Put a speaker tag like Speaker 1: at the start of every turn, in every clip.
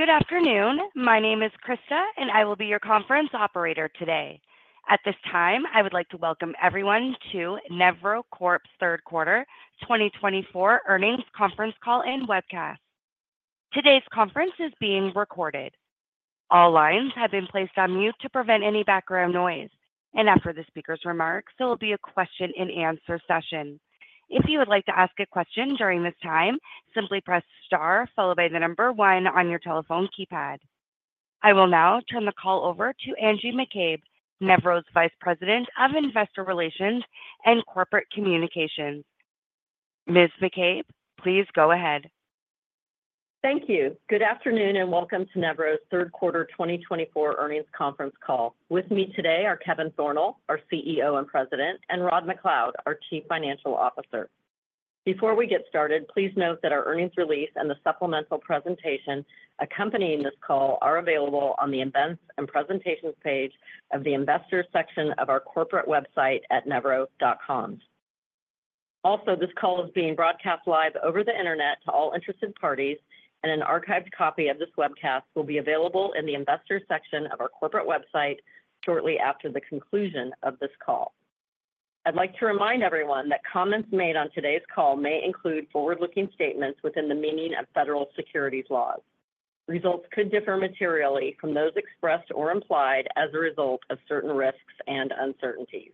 Speaker 1: Good afternoon. My name is Krista, and I will be your conference operator today. At this time, I would like to welcome everyone to Nevro Corp's Third Quarter 2024 Earnings Conference Call and Webcast. Today's conference is being recorded. All lines have been placed on mute to prevent any background noise, and after the speaker's remarks, there will be a question-and-answer session. If you would like to ask a question during this time, simply press star followed by the number one on your telephone keypad. I will now turn the call over to Angie McCabe, Nevro's Vice President of Investor Relations and Corporate Communications. Ms. McCabe, please go ahead.
Speaker 2: Thank you. Good afternoon and welcome to Nevro's Third Quarter 2024 Earnings Conference Call. With me today are Kevin Thornal, our CEO and President, and Rod MacLeod, our Chief Financial Officer. Before we get started, please note that our earnings release and the supplemental presentation accompanying this call are available on the Events and Presentations page of the Investor section of our corporate website at nevro.com. Also, this call is being broadcast live over the internet to all interested parties, and an archived copy of this webcast will be available in the Investor section of our corporate website shortly after the conclusion of this call. I'd like to remind everyone that comments made on today's call may include forward-looking statements within the meaning of federal securities laws. Results could differ materially from those expressed or implied as a result of certain risks and uncertainties.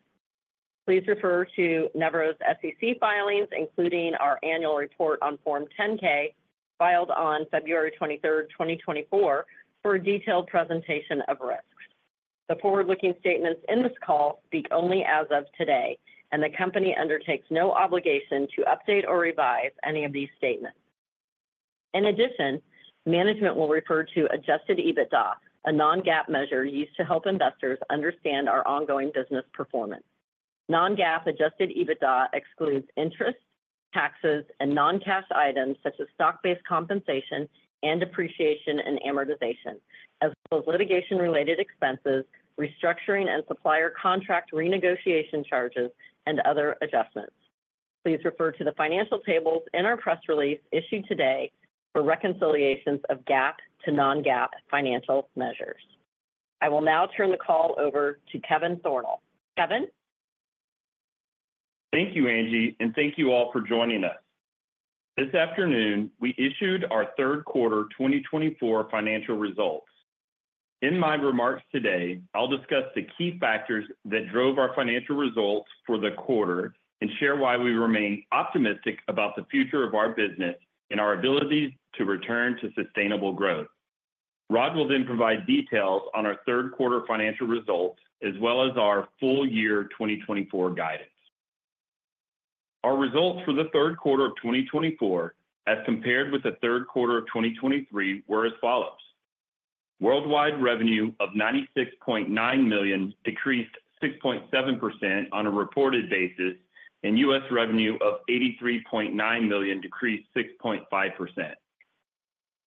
Speaker 2: Please refer to Nevro's SEC filings, including our annual report on Form 10-K filed on February 23rd, 2024, for a detailed presentation of risks. The forward-looking statements in this call speak only as of today, and the company undertakes no obligation to update or revise any of these statements. In addition, management will refer to Adjusted EBITDA, a non-GAAP measure used to help investors understand our ongoing business performance. Non-GAAP Adjusted EBITDA excludes interest, taxes, and non-cash items such as stock-based compensation and depreciation and amortization, as well as litigation-related expenses, restructuring and supplier contract renegotiation charges, and other adjustments. Please refer to the financial tables in our press release issued today for reconciliations of GAAP to non-GAAP financial measures. I will now turn the call over to Kevin Thornal. Kevin.
Speaker 3: Thank you, Angie, and thank you all for joining us. This afternoon, we issued our Third Quarter 2024 financial results. In my remarks today, I'll discuss the key factors that drove our financial results for the quarter and share why we remain optimistic about the future of our business and our ability to return to sustainable growth. Rod will then provide details on our Third Quarter financial results as well as our full year 2024 guidance. Our results for the Third Quarter of 2024, as compared with the Third Quarter of 2023, were as follows: Worldwide revenue of $96.9 million decreased 6.7% on a reported basis, and U.S. revenue of $83.9 million decreased 6.5%.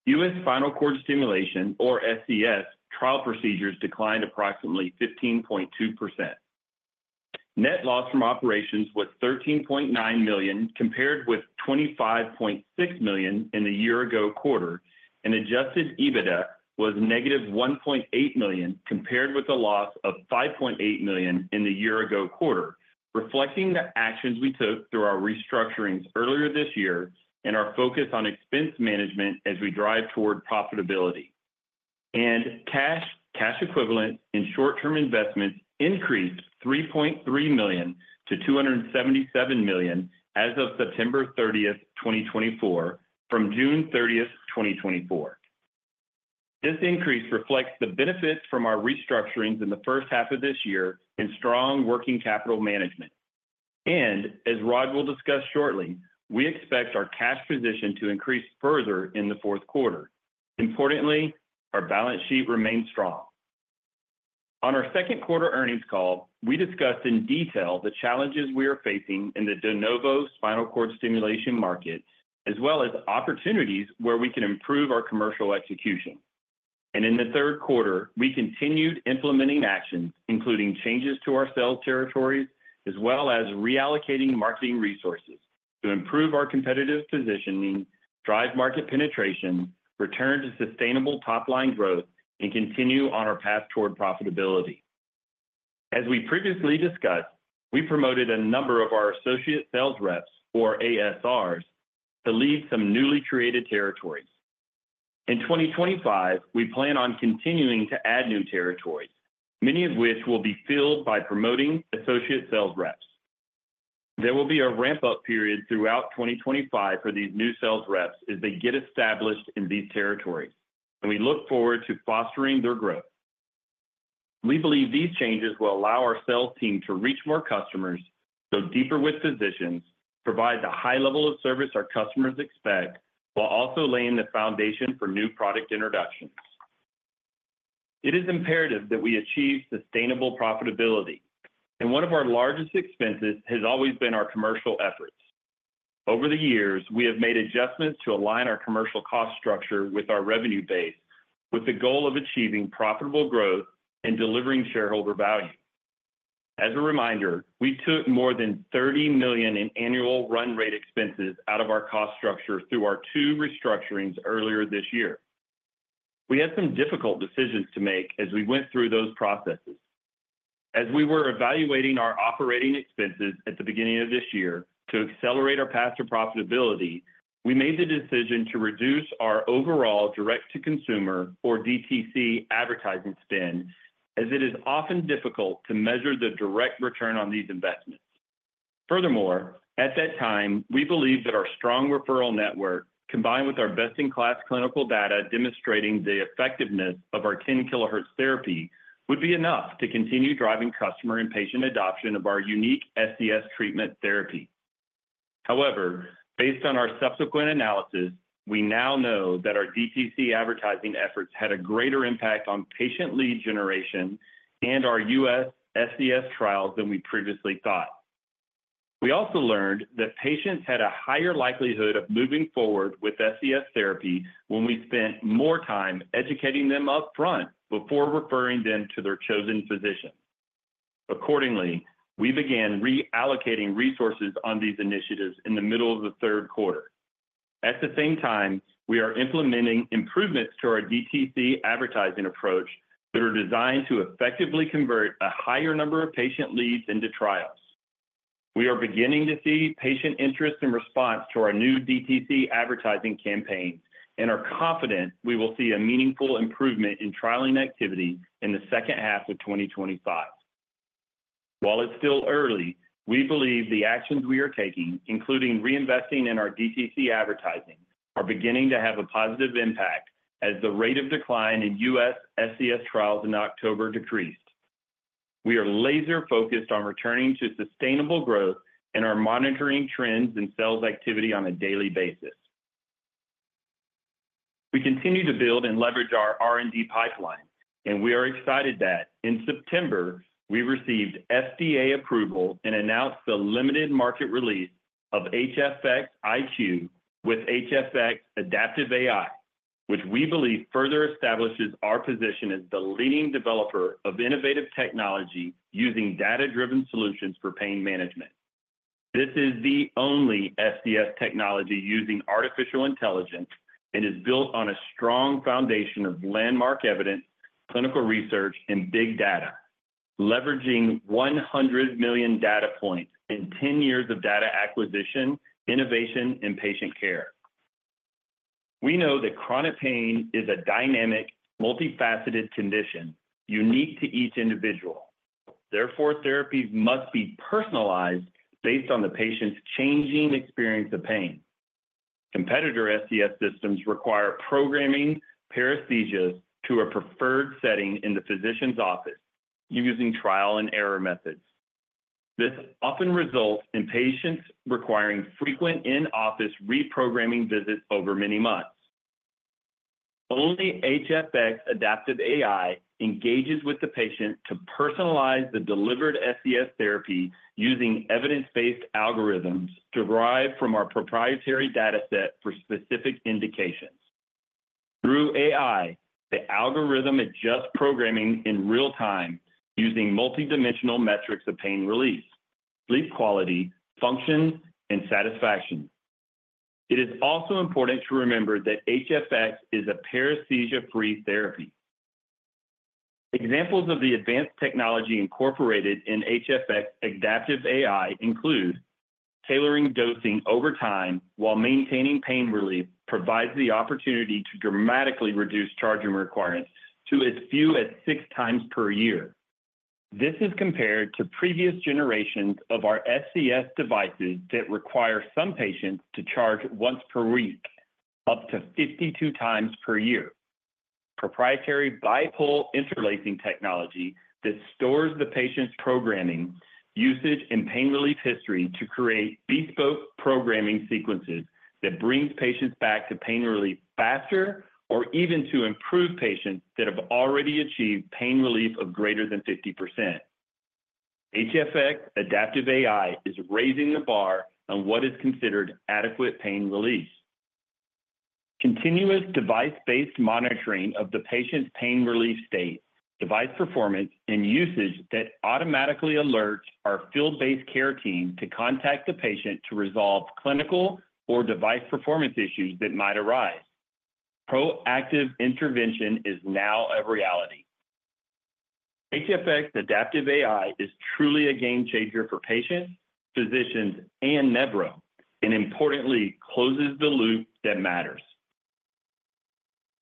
Speaker 3: U.S. final quarter stimulation, or SCS, trial procedures declined approximately 15.2%. Net loss from operations was $13.9 million, compared with $25.6 million in the year-ago quarter, and Adjusted EBITDA was negative $1.8 million, compared with a loss of $5.8 million in the year-ago quarter, reflecting the actions we took through our restructurings earlier this year and our focus on expense management as we drive toward profitability. Cash, cash equivalents, and short-term investments increased $3.3 million to $277 million as of September 30th, 2024, from June 30th, 2024. This increase reflects the benefits from our restructurings in the first half of this year and strong working capital management. As Rod will discuss shortly, we expect our cash position to increase further in the fourth quarter. Importantly, our balance sheet remains strong. On our second quarter earnings call, we discussed in detail the challenges we are facing in the De Novo spinal cord stimulation market, as well as opportunities where we can improve our commercial execution, and in the third quarter, we continued implementing actions, including changes to our sales territories, as well as reallocating marketing resources to improve our competitive positioning, drive market penetration, return to sustainable top-line growth, and continue on our path toward profitability. As we previously discussed, we promoted a number of our associate sales reps, or ASRs, to lead some newly created territories. In 2025, we plan on continuing to add new territories, many of which will be filled by promoting associate sales reps. There will be a ramp-up period throughout 2025 for these new sales reps as they get established in these territories, and we look forward to fostering their growth. We believe these changes will allow our sales team to reach more customers, go deeper with positions, provide the high level of service our customers expect, while also laying the foundation for new product introductions. It is imperative that we achieve sustainable profitability, and one of our largest expenses has always been our commercial efforts. Over the years, we have made adjustments to align our commercial cost structure with our revenue base, with the goal of achieving profitable growth and delivering shareholder value. As a reminder, we took more than $30 million in annual run rate expenses out of our cost structure through our two restructurings earlier this year. We had some difficult decisions to make as we went through those processes. As we were evaluating our operating expenses at the beginning of this year to accelerate our path to profitability, we made the decision to reduce our overall direct-to-consumer, or DTC, advertising spend, as it is often difficult to measure the direct return on these investments. Furthermore, at that time, we believed that our strong referral network, combined with our best-in-class clinical data demonstrating the effectiveness of our 10 kilohertz therapy, would be enough to continue driving customer and patient adoption of our unique SCS treatment therapy. However, based on our subsequent analysis, we now know that our DTC advertising efforts had a greater impact on patient lead generation and our U.S. SCS trials than we previously thought. We also learned that patients had a higher likelihood of moving forward with SCS therapy when we spent more time educating them upfront before referring them to their chosen physician. Accordingly, we began reallocating resources on these initiatives in the middle of the third quarter. At the same time, we are implementing improvements to our DTC advertising approach that are designed to effectively convert a higher number of patient leads into trials. We are beginning to see patient interest and response to our new DTC advertising campaigns and are confident we will see a meaningful improvement in trialing activity in the second half of 2025. While it's still early, we believe the actions we are taking, including reinvesting in our DTC advertising, are beginning to have a positive impact as the rate of decline in U.S. SCS trials in October decreased. We are laser-focused on returning to sustainable growth and are monitoring trends in sales activity on a daily basis. We continue to build and leverage our R&D pipeline, and we are excited that in September, we received FDA approval and announced the limited market release of HFX iQ with HFX adaptive AI, which we believe further establishes our position as the leading developer of innovative technology using data-driven solutions for pain management. This is the only SCS technology using artificial intelligence and is built on a strong foundation of landmark evidence, clinical research, and big data, leveraging 100 million data points and 10 years of data acquisition, innovation, and patient care. We know that chronic pain is a dynamic, multifaceted condition unique to each individual. Therefore, therapies must be personalized based on the patient's changing experience of pain. Competitor SCS systems require programming paresthesias to a preferred setting in the physician's office using trial-and-error methods. This often results in patients requiring frequent in-office reprogramming visits over many months. Only HFX adaptive AI engages with the patient to personalize the delivered SCS therapy using evidence-based algorithms derived from our proprietary data set for specific indications. Through AI, the algorithm adjusts programming in real time using multidimensional metrics of pain relief, sleep quality, function, and satisfaction. It is also important to remember that HFX is a paresthesia-free therapy. Examples of the advanced technology incorporated in HFX adaptive AI include tailoring dosing over time while maintaining pain relief, provides the opportunity to dramatically reduce charging requirements to as few as six times per year. This is compared to previous generations of our SCS devices that require some patients to charge once per week, up to 52 times per year. Proprietary Bipole Interlacing technology that stores the patient's programming, usage, and pain relief history to create bespoke programming sequences that brings patients back to pain relief faster or even to improve patients that have already achieved pain relief of greater than 50%. HFX adaptive AI is raising the bar on what is considered adequate pain relief. Continuous device-based monitoring of the patient's pain relief state, device performance, and usage that automatically alerts our field-based care team to contact the patient to resolve clinical or device performance issues that might arise. Proactive intervention is now a reality. HFX adaptive AI is truly a game changer for patients, physicians, and Nevro, and importantly, closes the loop that matters.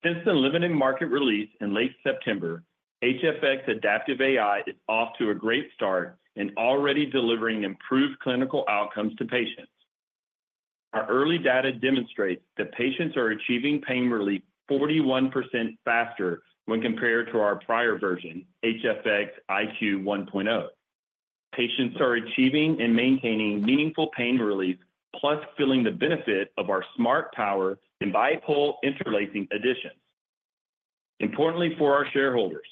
Speaker 3: Since the limited market release in late September, HFX adaptive AI is off to a great start and already delivering improved clinical outcomes to patients. Our early data demonstrates that patients are achieving pain relief 41% faster when compared to our prior version, HFX iQ 1.0. Patients are achieving and maintaining meaningful pain relief, plus feeling the benefit of our SmartPWR and bipole interlacing additions. Importantly for our shareholders,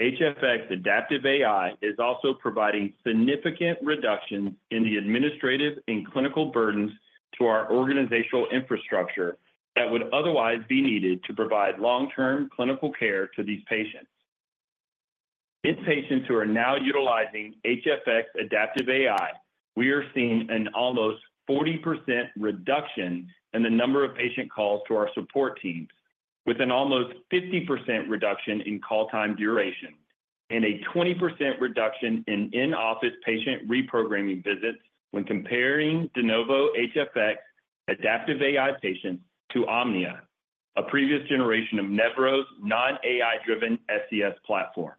Speaker 3: HFX adaptive AI is also providing significant reductions in the administrative and clinical burdens to our organizational infrastructure that would otherwise be needed to provide long-term clinical care to these patients. In patients who are now utilizing HFX adaptive AI, we are seeing an almost 40% reduction in the number of patient calls to our support teams, with an almost 50% reduction in call time duration, and a 20% reduction in in-office patient reprogramming visits when comparing de novo HFX adaptive AI patients to Omnia, a previous generation of Nevro's non-AI-driven SCS platform.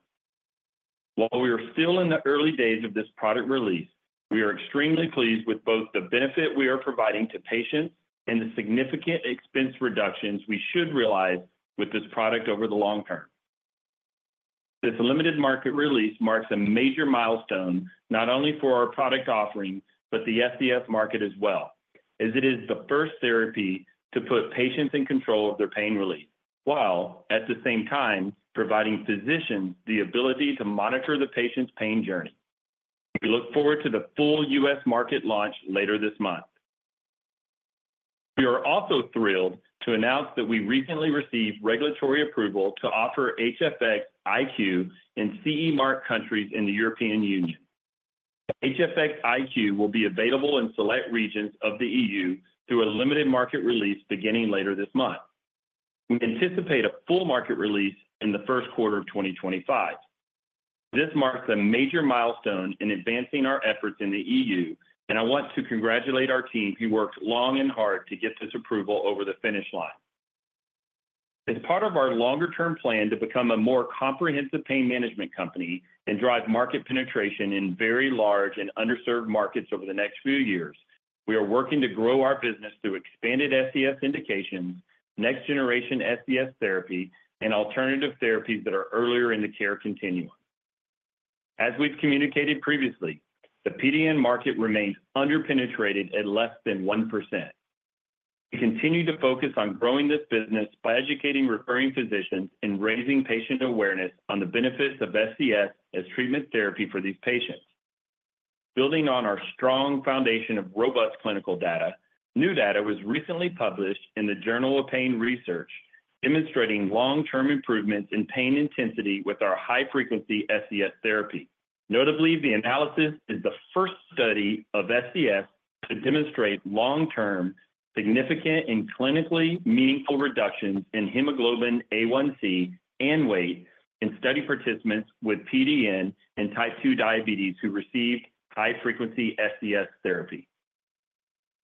Speaker 3: While we are still in the early days of this product release, we are extremely pleased with both the benefit we are providing to patients and the significant expense reductions we should realize with this product over the long term. This limited market release marks a major milestone not only for our product offering, but the SCS market as well, as it is the first therapy to put patients in control of their pain relief, while at the same time providing physicians the ability to monitor the patient's pain journey. We look forward to the full U.S. market launch later this month. We are also thrilled to announce that we recently received regulatory approval to offer HFX iQ in CE marked countries in the European Union. HFX iQ will be available in select regions of the EU through a limited market release beginning later this month. We anticipate a full market release in the first quarter of 2025. This marks a major milestone in advancing our efforts in the EU, and I want to congratulate our team who worked long and hard to get this approval over the finish line. As part of our longer-term plan to become a more comprehensive pain management company and drive market penetration in very large and underserved markets over the next few years, we are working to grow our business through expanded SCS indications, next-generation SCS therapy, and alternative therapies that are earlier in the care continuum. As we've communicated previously, the PDN market remains underpenetrated at less than 1%. We continue to focus on growing this business by educating referring physicians and raising patient awareness on the benefits of SCS as treatment therapy for these patients. Building on our strong foundation of robust clinical data, new data was recently published in the Journal of Pain Research demonstrating long-term improvements in pain intensity with our high-frequency SCS therapy. Notably, the analysis is the first study of SCS to demonstrate long-term significant and clinically meaningful reductions in hemoglobin A1c and weight in study participants with PDN and type 2 diabetes who received high-frequency SCS therapy.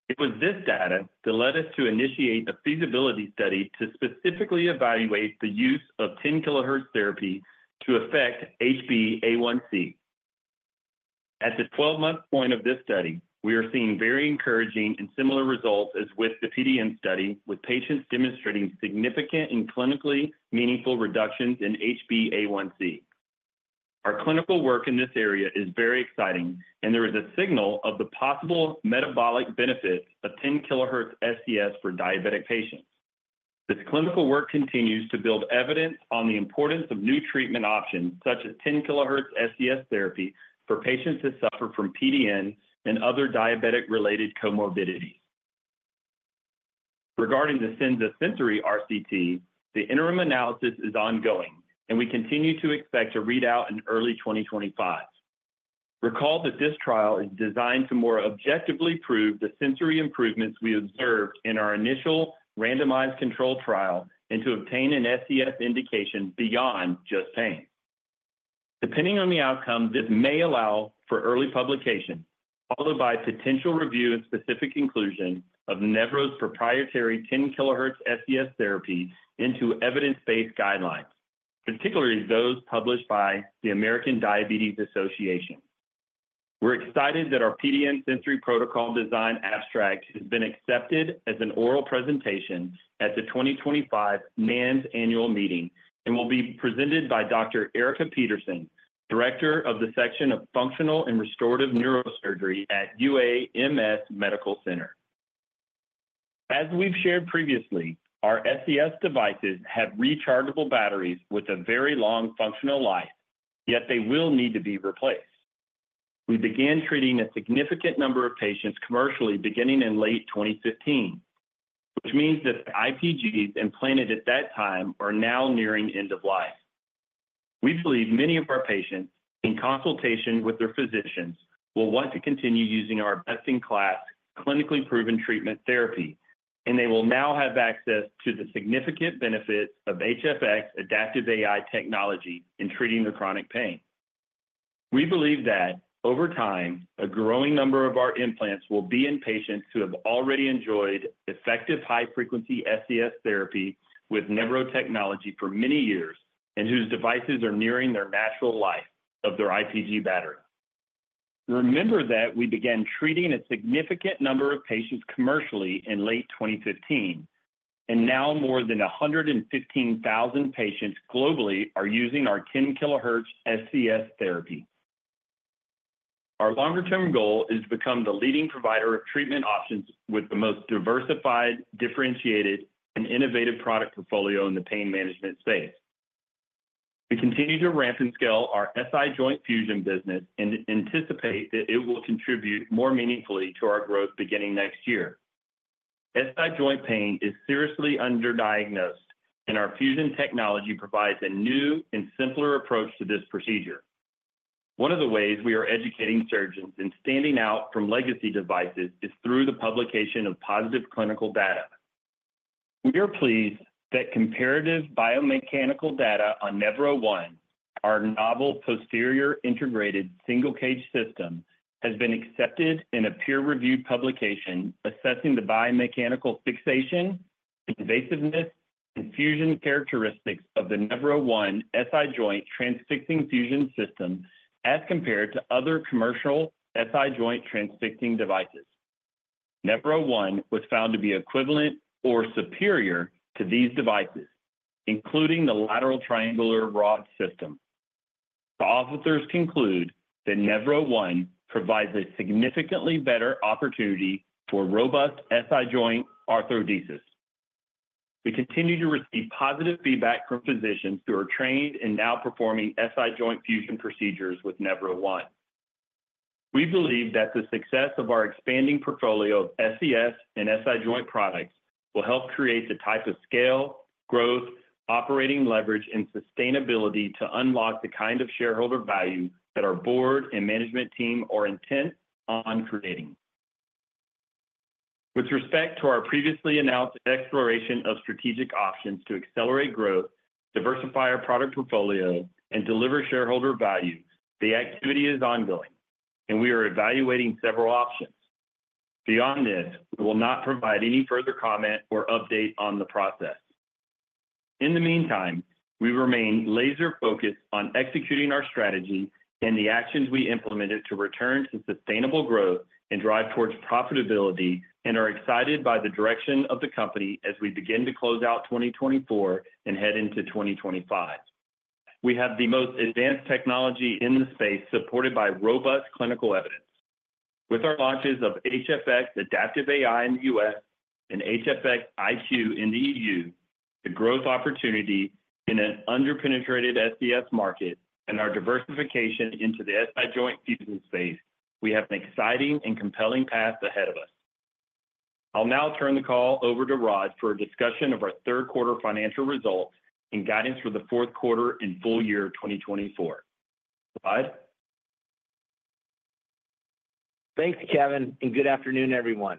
Speaker 3: It was this data that led us to initiate a feasibility study to specifically evaluate the use of 10 kilohertz therapy to affect HbA1c. At the 12-month point of this study, we are seeing very encouraging and similar results as with the PDN study, with patients demonstrating significant and clinically meaningful reductions in HbA1c. Our clinical work in this area is very exciting, and there is a signal of the possible metabolic benefits of 10 kilohertz SCS for diabetic patients. This clinical work continues to build evidence on the importance of new treatment options, such as 10 kilohertz SCS therapy for patients who suffer from PDN and other diabetic-related comorbidities. Regarding the SENZA Sensory RCT, the interim analysis is ongoing, and we continue to expect a readout in early 2025. Recall that this trial is designed to more objectively prove the sensory improvements we observed in our initial randomized control trial and to obtain an SCS indication beyond just pain. Depending on the outcome, this may allow for early publication, followed by potential review and specific inclusion of Nevro's proprietary 10 kilohertz SCS therapy into evidence-based guidelines, particularly those published by the American Diabetes Association. We're excited that our PDN sensory protocol design abstract has been accepted as an oral presentation at the 2025 NANS annual meeting and will be presented by Dr. Erika Petersen, Director of the Section of Functional and Restorative Neurosurgery at UAMS Medical Center. As we've shared previously, our SCS devices have rechargeable batteries with a very long functional life, yet they will need to be replaced. We began treating a significant number of patients commercially beginning in late 2015, which means that the IPGs implanted at that time are now nearing end of life. We believe many of our patients, in consultation with their physicians, will want to continue using our best-in-class clinically proven treatment therapy, and they will now have access to the significant benefits of HFX adaptive AI technology in treating their chronic pain. We believe that, over time, a growing number of our implants will be in patients who have already enjoyed effective high-frequency SCS therapy with Nevro technology for many years and whose devices are nearing their natural life of their IPG battery. Remember that we began treating a significant number of patients commercially in late 2015, and now more than 115,000 patients globally are using our 10 kilohertz SCS therapy. Our longer-term goal is to become the leading provider of treatment options with the most diversified, differentiated, and innovative product portfolio in the pain management space. We continue to ramp and scale our SI joint fusion business and anticipate that it will contribute more meaningfully to our growth beginning next year. SI joint pain is seriously underdiagnosed, and our fusion technology provides a new and simpler approach to this procedure. One of the ways we are educating surgeons and standing out from legacy devices is through the publication of positive clinical data. We are pleased that comparative biomechanical data on Nevro1, our novel posterior integrated single cage system, has been accepted in a peer-reviewed publication assessing the biomechanical fixation, invasiveness, and fusion characteristics of the Nevro1 SI joint transfixing fusion system as compared to other commercial SI joint transfixing devices. Nevro1 was found to be equivalent or superior to these devices, including the lateral triangular rod system. The authors conclude that Nevro1 provides a significantly better opportunity for robust SI joint arthrodesis. We continue to receive positive feedback from physicians who are trained in now performing SI joint fusion procedures with Nevro1. We believe that the success of our expanding portfolio of SCS and SI joint products will help create the type of scale, growth, operating leverage, and sustainability to unlock the kind of shareholder value that our board and management team are intent on creating. With respect to our previously announced exploration of strategic options to accelerate growth, diversify our product portfolio, and deliver shareholder value, the activity is ongoing, and we are evaluating several options. Beyond this, we will not provide any further comment or update on the process. In the meantime, we remain laser-focused on executing our strategy and the actions we implemented to return to sustainable growth and drive towards profitability, and are excited by the direction of the company as we begin to close out 2024 and head into 2025. We have the most advanced technology in the space supported by robust clinical evidence. With our launches of HFX adaptive AI in the U.S. and HFX iQ in the EU, the growth opportunity in an underpenetrated SCS market, and our diversification into the SI joint fusion space, we have an exciting and compelling path ahead of us. I'll now turn the call over to Rod for a discussion of our third quarter financial results and guidance for the fourth quarter and full year 2024. Rod?
Speaker 4: Thanks, Kevin, and good afternoon, everyone.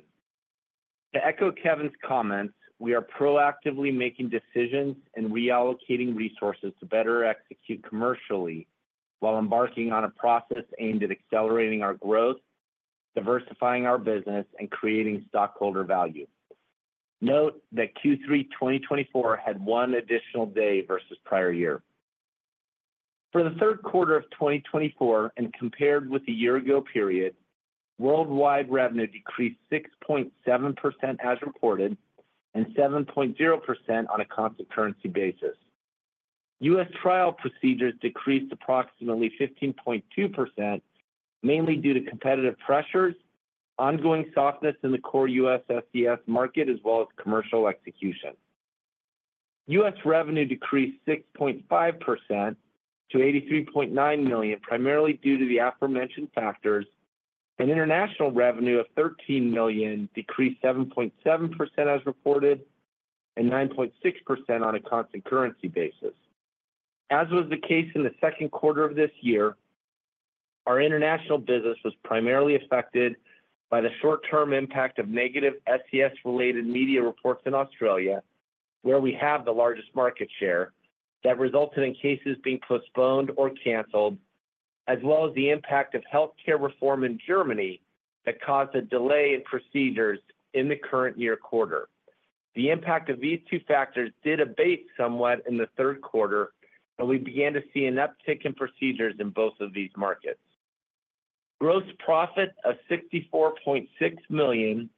Speaker 4: To echo Kevin's comments, we are proactively making decisions and reallocating resources to better execute commercially while embarking on a process aimed at accelerating our growth, diversifying our business, and creating stockholder value. Note that Q3 2024 had one additional day versus prior year. For the third quarter of 2024, and compared with the year-ago period, worldwide revenue decreased 6.7% as reported and 7.0% on a constant currency basis. U.S. trial procedures decreased approximately 15.2%, mainly due to competitive pressures, ongoing softness in the core U.S. SCS market, as well as commercial execution. U.S. Revenue decreased 6.5% to $83.9 million, primarily due to the aforementioned factors, and international revenue of $13 million decreased 7.7% as reported and 9.6% on a constant currency basis. As was the case in the second quarter of this year, our international business was primarily affected by the short-term impact of negative SCS-related media reports in Australia, where we have the largest market share, that resulted in cases being postponed or canceled, as well as the impact of healthcare reform in Germany that caused a delay in procedures in the current year quarter. The impact of these two factors did abate somewhat in the third quarter, and we began to see an uptick in procedures in both of these markets. Gross profit of $64.6 million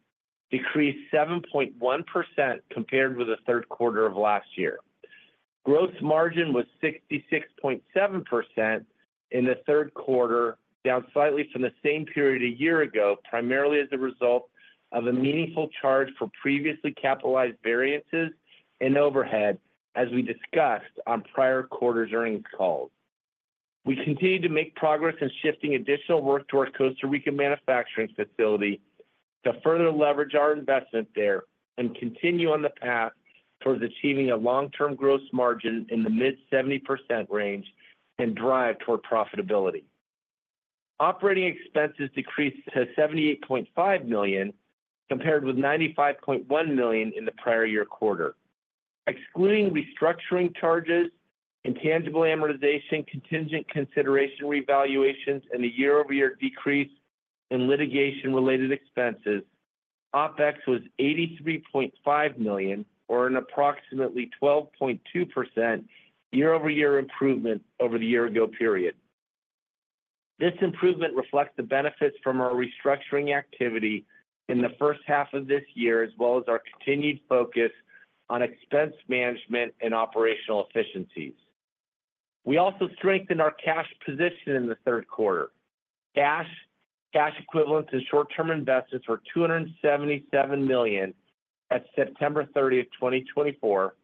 Speaker 4: decreased 7.1% compared with the third quarter of last year. Gross margin was 66.7% in the third quarter, down slightly from the same period a year ago, primarily as a result of a meaningful charge for previously capitalized variances and overhead, as we discussed on prior quarter's earnings calls. We continue to make progress in shifting additional work to our Costa Rica manufacturing facility to further leverage our investment there and continue on the path towards achieving a long-term gross margin in the mid-70% range and drive toward profitability. Operating expenses decreased to $78.5 million compared with $95.1 million in the prior year quarter. Excluding restructuring charges, intangible amortization, contingent consideration revaluations, and the year-over-year decrease in litigation-related expenses, OpEx was $83.5 million, or an approximately 12.2% year-over-year improvement over the year-ago period. This improvement reflects the benefits from our restructuring activity in the first half of this year, as well as our continued focus on expense management and operational efficiencies. We also strengthened our cash position in the third quarter. Cash, cash equivalents, and short-term investments were $277 million at September 30, 2024,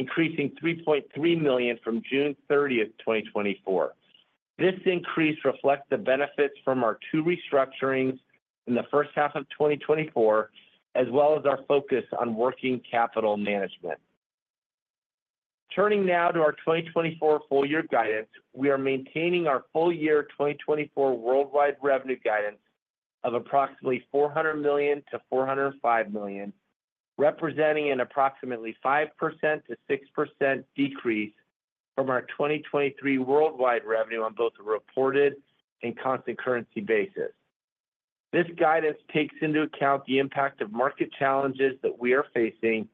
Speaker 4: increasing $3.3 million from June 30, 2024. This increase reflects the benefits from our two restructurings in the first half of 2024, as well as our focus on working capital management. Turning now to our 2024 full-year guidance, we are maintaining our full-year 2024 worldwide revenue guidance of approximately $400 million-$405 million, representing an approximately 5%-6% decrease from our 2023 worldwide revenue on both a reported and constant currency basis. This guidance takes into account the impact of market challenges that we are facing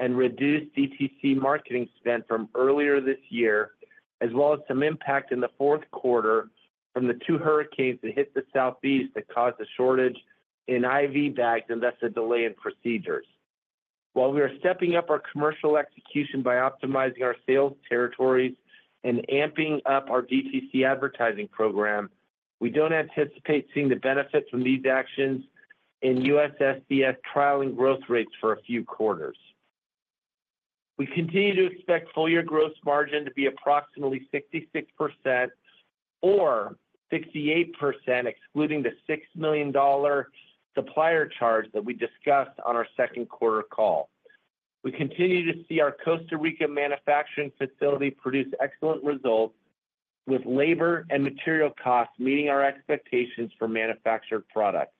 Speaker 4: and reduced DTC marketing spend from earlier this year, as well as some impact in the fourth quarter from the two hurricanes that hit the Southeast that caused a shortage in IV bags and thus a delay in procedures. While we are stepping up our commercial execution by optimizing our sales territories and amping up our DTC advertising program, we don't anticipate seeing the benefits from these actions in U.S. SENZA trial and growth rates for a few quarters. We continue to expect full-year gross margin to be approximately 66% or 68%, excluding the $6 million supplier charge that we discussed on our second quarter call. We continue to see our Costa Rica manufacturing facility produce excellent results, with labor and material costs meeting our expectations for manufactured products.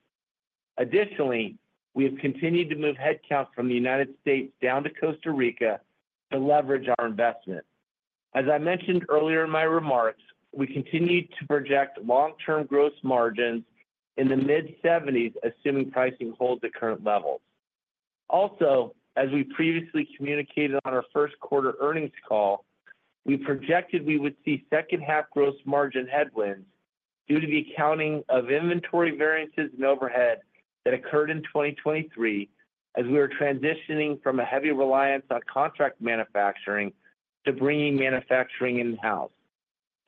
Speaker 4: Additionally, we have continued to move headcount from the United States down to Costa Rica to leverage our investment. As I mentioned earlier in my remarks, we continue to project long-term gross margins in the mid-70s, assuming pricing holds at current levels. Also, as we previously communicated on our first quarter earnings call, we projected we would see second-half gross margin headwinds due to the accounting of inventory variances and overhead that occurred in 2023, as we are transitioning from a heavy reliance on contract manufacturing to bringing manufacturing in-house.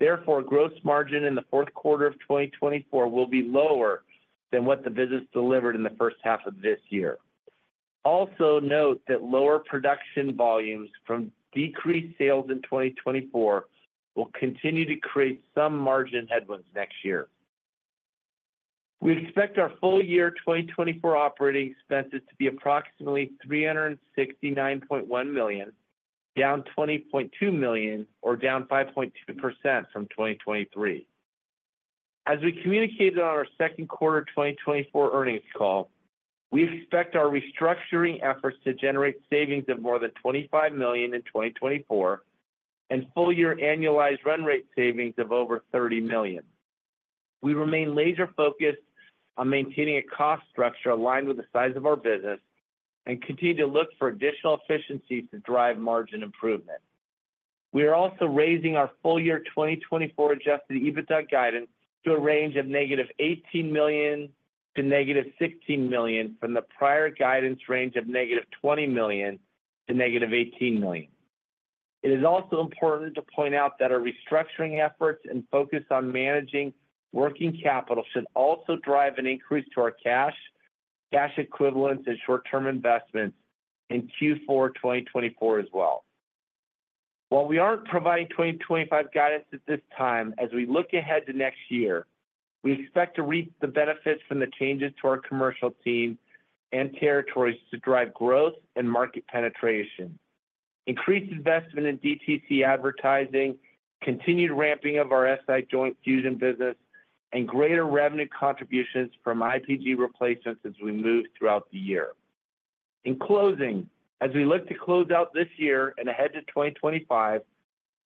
Speaker 4: Therefore, gross margin in the fourth quarter of 2024 will be lower than what the business delivered in the first half of this year. Also note that lower production volumes from decreased sales in 2024 will continue to create some margin headwinds next year. We expect our full-year 2024 operating expenses to be approximately $369.1 million, down $20.2 million, or down 5.2% from 2023. As we communicated on our second quarter 2024 earnings call, we expect our restructuring efforts to generate savings of more than $25 million in 2024 and full-year annualized run rate savings of over $30 million. We remain laser-focused on maintaining a cost structure aligned with the size of our business and continue to look for additional efficiencies to drive margin improvement. We are also raising our full-year 2024 adjusted EBITDA guidance to a range of -$18 million to -$16 million from the prior guidance range of -$20 million to -$18 million. It is also important to point out that our restructuring efforts and focus on managing working capital should also drive an increase to our cash, cash equivalents, and short-term investments in Q4 2024 as well. While we aren't providing 2025 guidance at this time, as we look ahead to next year, we expect to reap the benefits from the changes to our commercial team and territories to drive growth and market penetration, increased investment in DTC advertising, continued ramping of our SI joint fusion business, and greater revenue contributions from IPG replacements as we move throughout the year. In closing, as we look to close out this year and ahead to 2025,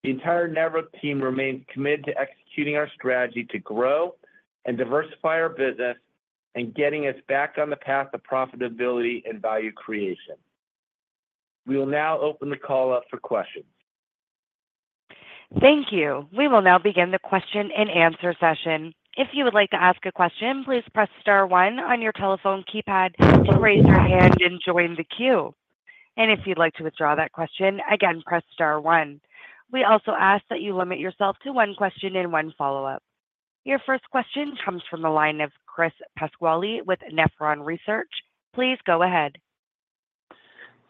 Speaker 4: the entire Nevro team remains committed to executing our strategy to grow and diversify our business and getting us back on the path of profitability and value creation. We will now open the call up for questions.
Speaker 1: Thank you. We will now begin the question and answer session. If you would like to ask a question, please press star one on your telephone keypad to raise your hand and join the queue. And if you'd like to withdraw that question, again, press star one. We also ask that you limit yourself to one question and one follow-up. Your first question comes from the line of Chris Pasquale with Nephron Research. Please go ahead.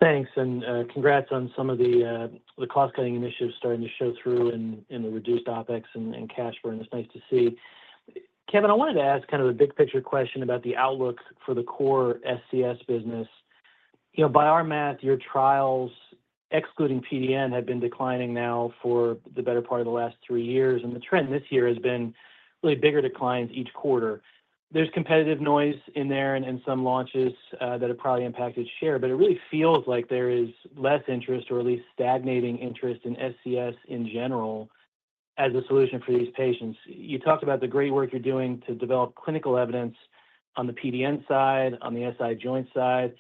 Speaker 5: Thanks. And congrats on some of the cost-cutting initiatives starting to show through in the reduced OpEx and cash burn. It's nice to see. Kevin, I wanted to ask kind of a big-picture question about the outlook for the core SCS business. By our math, your trials, excluding PDN, have been declining now for the better part of the last three years, and the trend this year has been really bigger declines each quarter. There's competitive noise in there and some launches that have probably impacted share, but it really feels like there is less interest, or at least stagnating interest, in SCS in general as a solution for these patients. You talked about the great work you're doing to develop clinical evidence on the PDN side, on the SI joint side.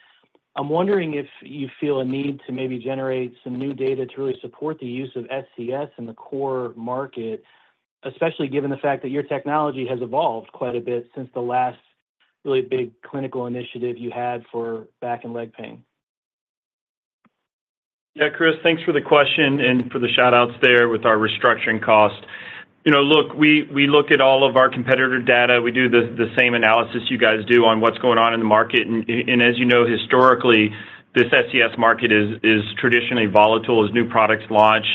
Speaker 5: I'm wondering if you feel a need to maybe generate some new data to really support the use of SCS in the core market, especially given the fact that your technology has evolved quite a bit since the last really big clinical initiative you had for back and leg pain.
Speaker 3: Yeah, Chris, thanks for the question and for the shout-outs there with our restructuring cost. Look, we look at all of our competitor data. We do the same analysis you guys do on what's going on in the market. As you know, historically, this SCS market is traditionally volatile as new products launch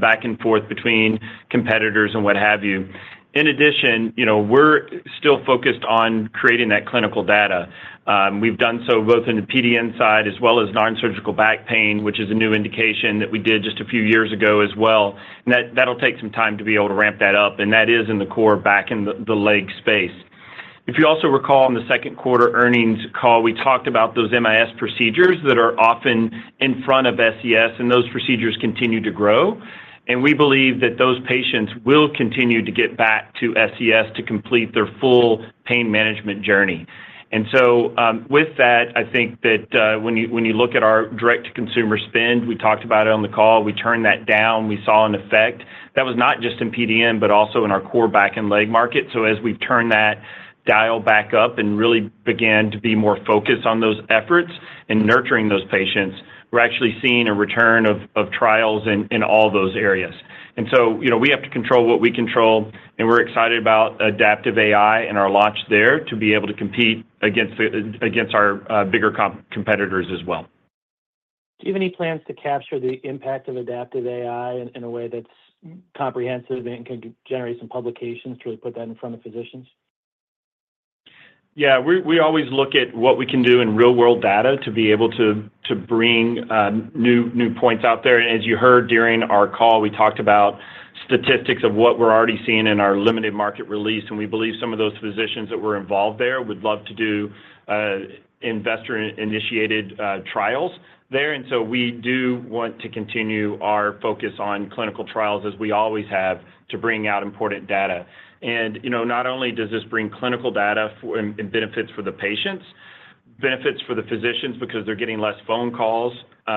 Speaker 3: back and forth between competitors and what have you. In addition, we're still focused on creating that clinical data. We've done so both in the PDN side as well as non-surgical back pain, which is a new indication that we did just a few years ago as well. That'll take some time to be able to ramp that up, and that is in the core back in the leg space. If you also recall, in the second quarter earnings call, we talked about those MIS procedures that are often in front of SCS, and those procedures continue to grow. We believe that those patients will continue to get back to SCS to complete their full pain management journey. And so with that, I think that when you look at our direct-to-consumer spend, we talked about it on the call. We turned that down. We saw an effect. That was not just in PDN, but also in our core back and leg market. So as we've turned that dial back up and really began to be more focused on those efforts and nurturing those patients, we're actually seeing a return of trials in all those areas. And so we have to control what we control, and we're excited about adaptive AI and our launch there to be able to compete against our bigger competitors as well.
Speaker 5: Do you have any plans to capture the impact of adaptive AI in a way that's comprehensive and can generate some publications to really put that in front of physicians?
Speaker 3: Yeah, we always look at what we can do in real-world data to be able to bring new points out there, and as you heard during our call, we talked about statistics of what we're already seeing in our limited market release, and we believe some of those physicians that were involved there would love to do investor-initiated trials there, and so we do want to continue our focus on clinical trials, as we always have, to bring out important data. Not only does this bring clinical data and benefits for the patients, benefits for the physicians because they're getting less phone calls,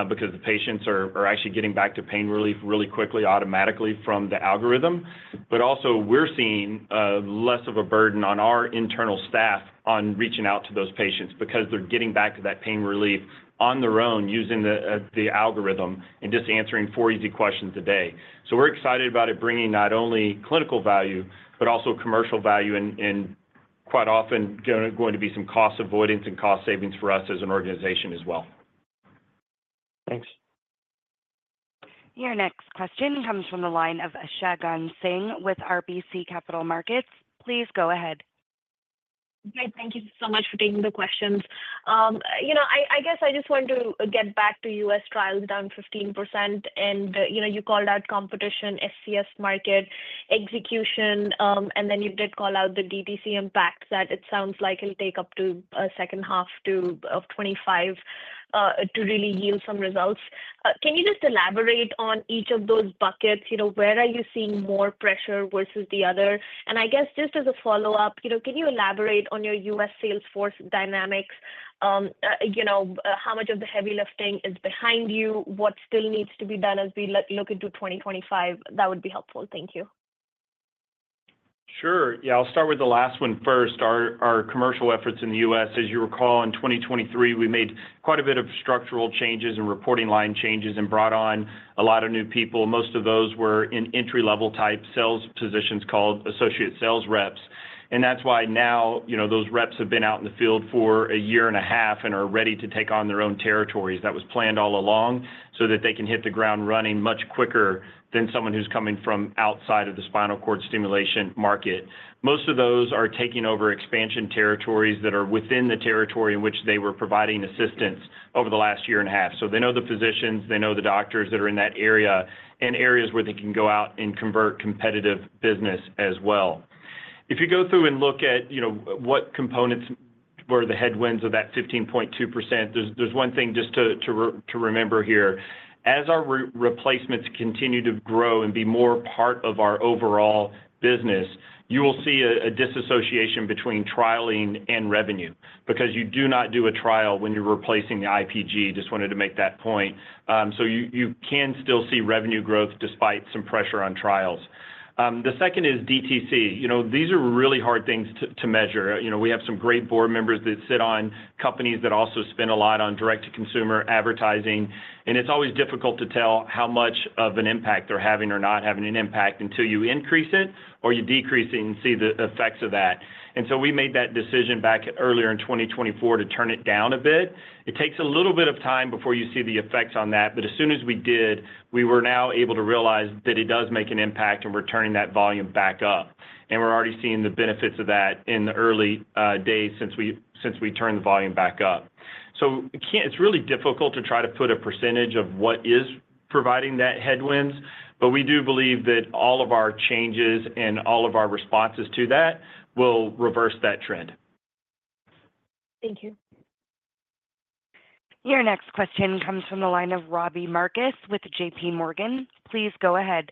Speaker 3: because the patients are actually getting back to pain relief really quickly, automatically from the algorithm, but also we're seeing less of a burden on our internal staff on reaching out to those patients because they're getting back to that pain relief on their own using the algorithm and just answering four easy questions a day, so we're excited about it bringing not only clinical value, but also commercial value and quite often going to be some cost avoidance and cost savings for us as an organization as well.
Speaker 5: Thanks.
Speaker 1: Your next question comes from the line of Shagun Singh with RBC Capital Markets. Please go ahead.
Speaker 6: Great. Thank you so much for taking the questions. I guess I just want to get back to U.S. Trials down 15%, and you called out competition, SCS market execution, and then you did call out the DTC impact that it sounds like it'll take up to a second half of 2025 to really yield some results. Can you just elaborate on each of those buckets? Where are you seeing more pressure versus the other? And I guess just as a follow-up, can you elaborate on your U.S. sales force dynamics? How much of the heavy lifting is behind you? What still needs to be done as we look into 2025? That would be helpful. Thank you.
Speaker 3: Sure. Yeah, I'll start with the last one first. Our commercial efforts in the U.S. As you recall, in 2023, we made quite a bit of structural changes and reporting line changes and brought on a lot of new people. Most of those were in entry-level type sales positions called associate sales reps. That's why now those reps have been out in the field for a year and a half and are ready to take on their own territories that was planned all along so that they can hit the ground running much quicker than someone who's coming from outside of the spinal cord stimulation market. Most of those are taking over expansion territories that are within the territory in which they were providing assistance over the last year and a half. They know the physicians, they know the doctors that are in that area and areas where they can go out and convert competitive business as well. If you go through and look at what components were the headwinds of that 15.2%, there's one thing just to remember here. As our replacements continue to grow and be more part of our overall business, you will see a disassociation between trialing and revenue because you do not do a trial when you're replacing the IPG. Just wanted to make that point. So you can still see revenue growth despite some pressure on trials. The second is DTC. These are really hard things to measure. We have some great board members that sit on companies that also spend a lot on direct-to-consumer advertising, and it's always difficult to tell how much of an impact they're having or not having an impact until you increase it or you decrease it and see the effects of that. And so we made that decision back earlier in 2024 to turn it down a bit. It takes a little bit of time before you see the effects on that, but as soon as we did, we were now able to realize that it does make an impact and we're turning that volume back up. And we're already seeing the benefits of that in the early days since we turned the volume back up. So it's really difficult to try to put a percentage of what is providing that headwinds, but we do believe that all of our changes and all of our responses to that will reverse that trend.
Speaker 6: Thank you.
Speaker 1: Your next question comes from the line of Robbie Marcus with JPMorgan. Please go ahead.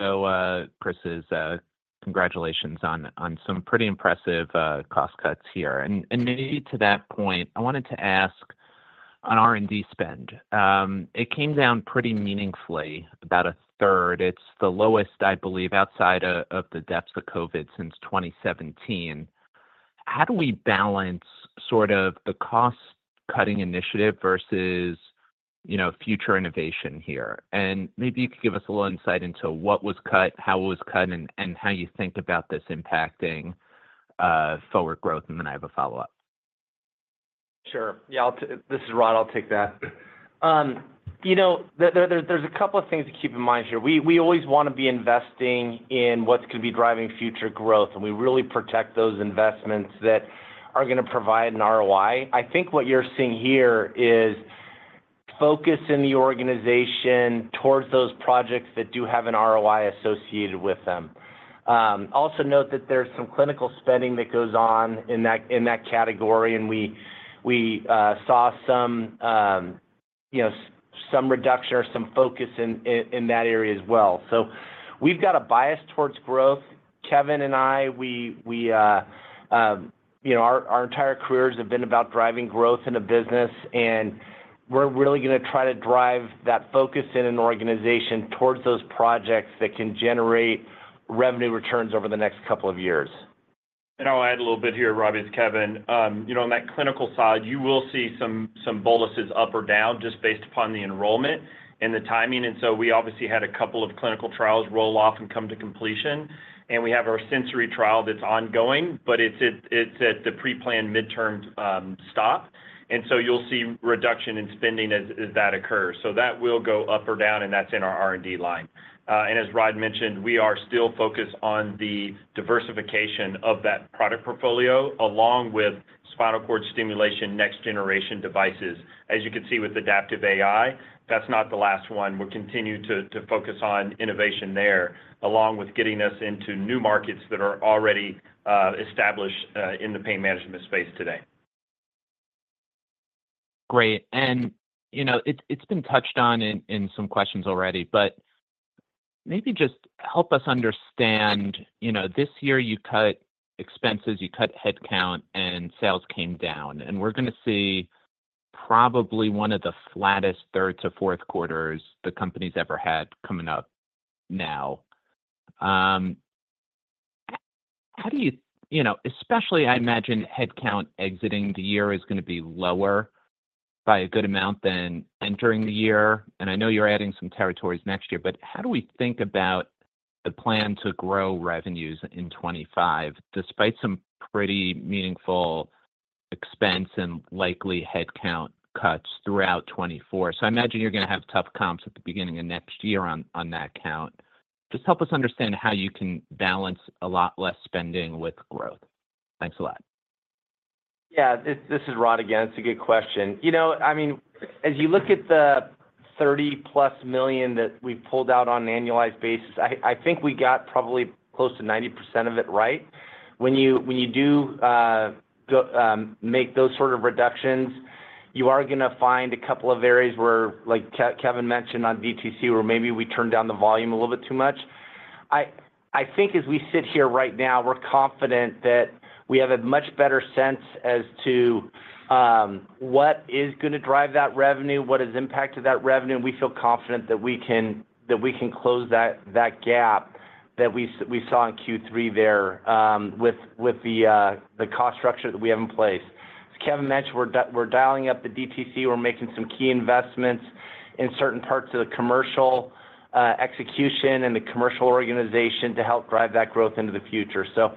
Speaker 1: So, Chris, congratulations on some pretty impressive cost cuts here. And maybe to that point, I wanted to ask on R&D spend. It came down pretty meaningfully, about a third.
Speaker 7: It's the lowest, I believe, outside of the depths of COVID since 2017. How do we balance sort of the cost-cutting initiative versus future innovation here? And maybe you could give us a little insight into what was cut, how it was cut, and how you think about this impacting forward growth. And then I have a follow-up.
Speaker 4: Sure. Yeah, this is Rod. I'll take that. There's a couple of things to keep in mind here. We always want to be investing in what's going to be driving future growth, and we really protect those investments that are going to provide an ROI. I think what you're seeing here is focus in the organization towards those projects that do have an ROI associated with them. Also note that there's some clinical spending that goes on in that category, and we saw some reduction or some focus in that area as well, so we've got a bias towards growth. Kevin and I, our entire careers have been about driving growth in a business, and we're really going to try to drive that focus in an organization towards those projects that can generate revenue returns over the next couple of years.
Speaker 3: And I'll add a little bit here, Robbie. It's Kevin. On that clinical side, you will see some boluses up or down just based upon the enrollment and the timing, and so we obviously had a couple of clinical trials roll off and come to completion, and we have our sensory trial that's ongoing, but it's at the pre-planned midterm stop, and so you'll see reduction in spending as that occurs. So that will go up or down, and that's in our R&D line. And as Rod mentioned, we are still focused on the diversification of that product portfolio along with spinal cord stimulation next-generation devices. As you can see with adaptive AI, that's not the last one. We'll continue to focus on innovation there along with getting us into new markets that are already established in the pain management space today.
Speaker 7: Great. And it's been touched on in some questions already, but maybe just help us understand this year you cut expenses, you cut headcount, and sales came down. And we're going to see probably one of the flattest third to fourth quarters the company's ever had coming up now. How do you especially, I imagine headcount exiting the year is going to be lower by a good amount than entering the year. I know you're adding some territories next year, but how do we think about the plan to grow revenues in 2025 despite some pretty meaningful expense and likely headcount cuts throughout 2024? I imagine you're going to have tough comps at the beginning of next year on that count. Just help us understand how you can balance a lot less spending with growth. Thanks a lot.
Speaker 4: Yeah, this is Rod again. It's a good question. I mean, as you look at the $30-plus million that we've pulled out on an annualized basis, I think we got probably close to 90% of it right. When you do make those sort of reductions, you are going to find a couple of areas where, like Kevin mentioned on DTC, where maybe we turned down the volume a little bit too much. I think as we sit here right now, we're confident that we have a much better sense as to what is going to drive that revenue, what has impacted that revenue, and we feel confident that we can close that gap that we saw in Q3 there with the cost structure that we have in place. As Kevin mentioned, we're dialing up the DTC. We're making some key investments in certain parts of the commercial execution and the commercial organization to help drive that growth into the future. So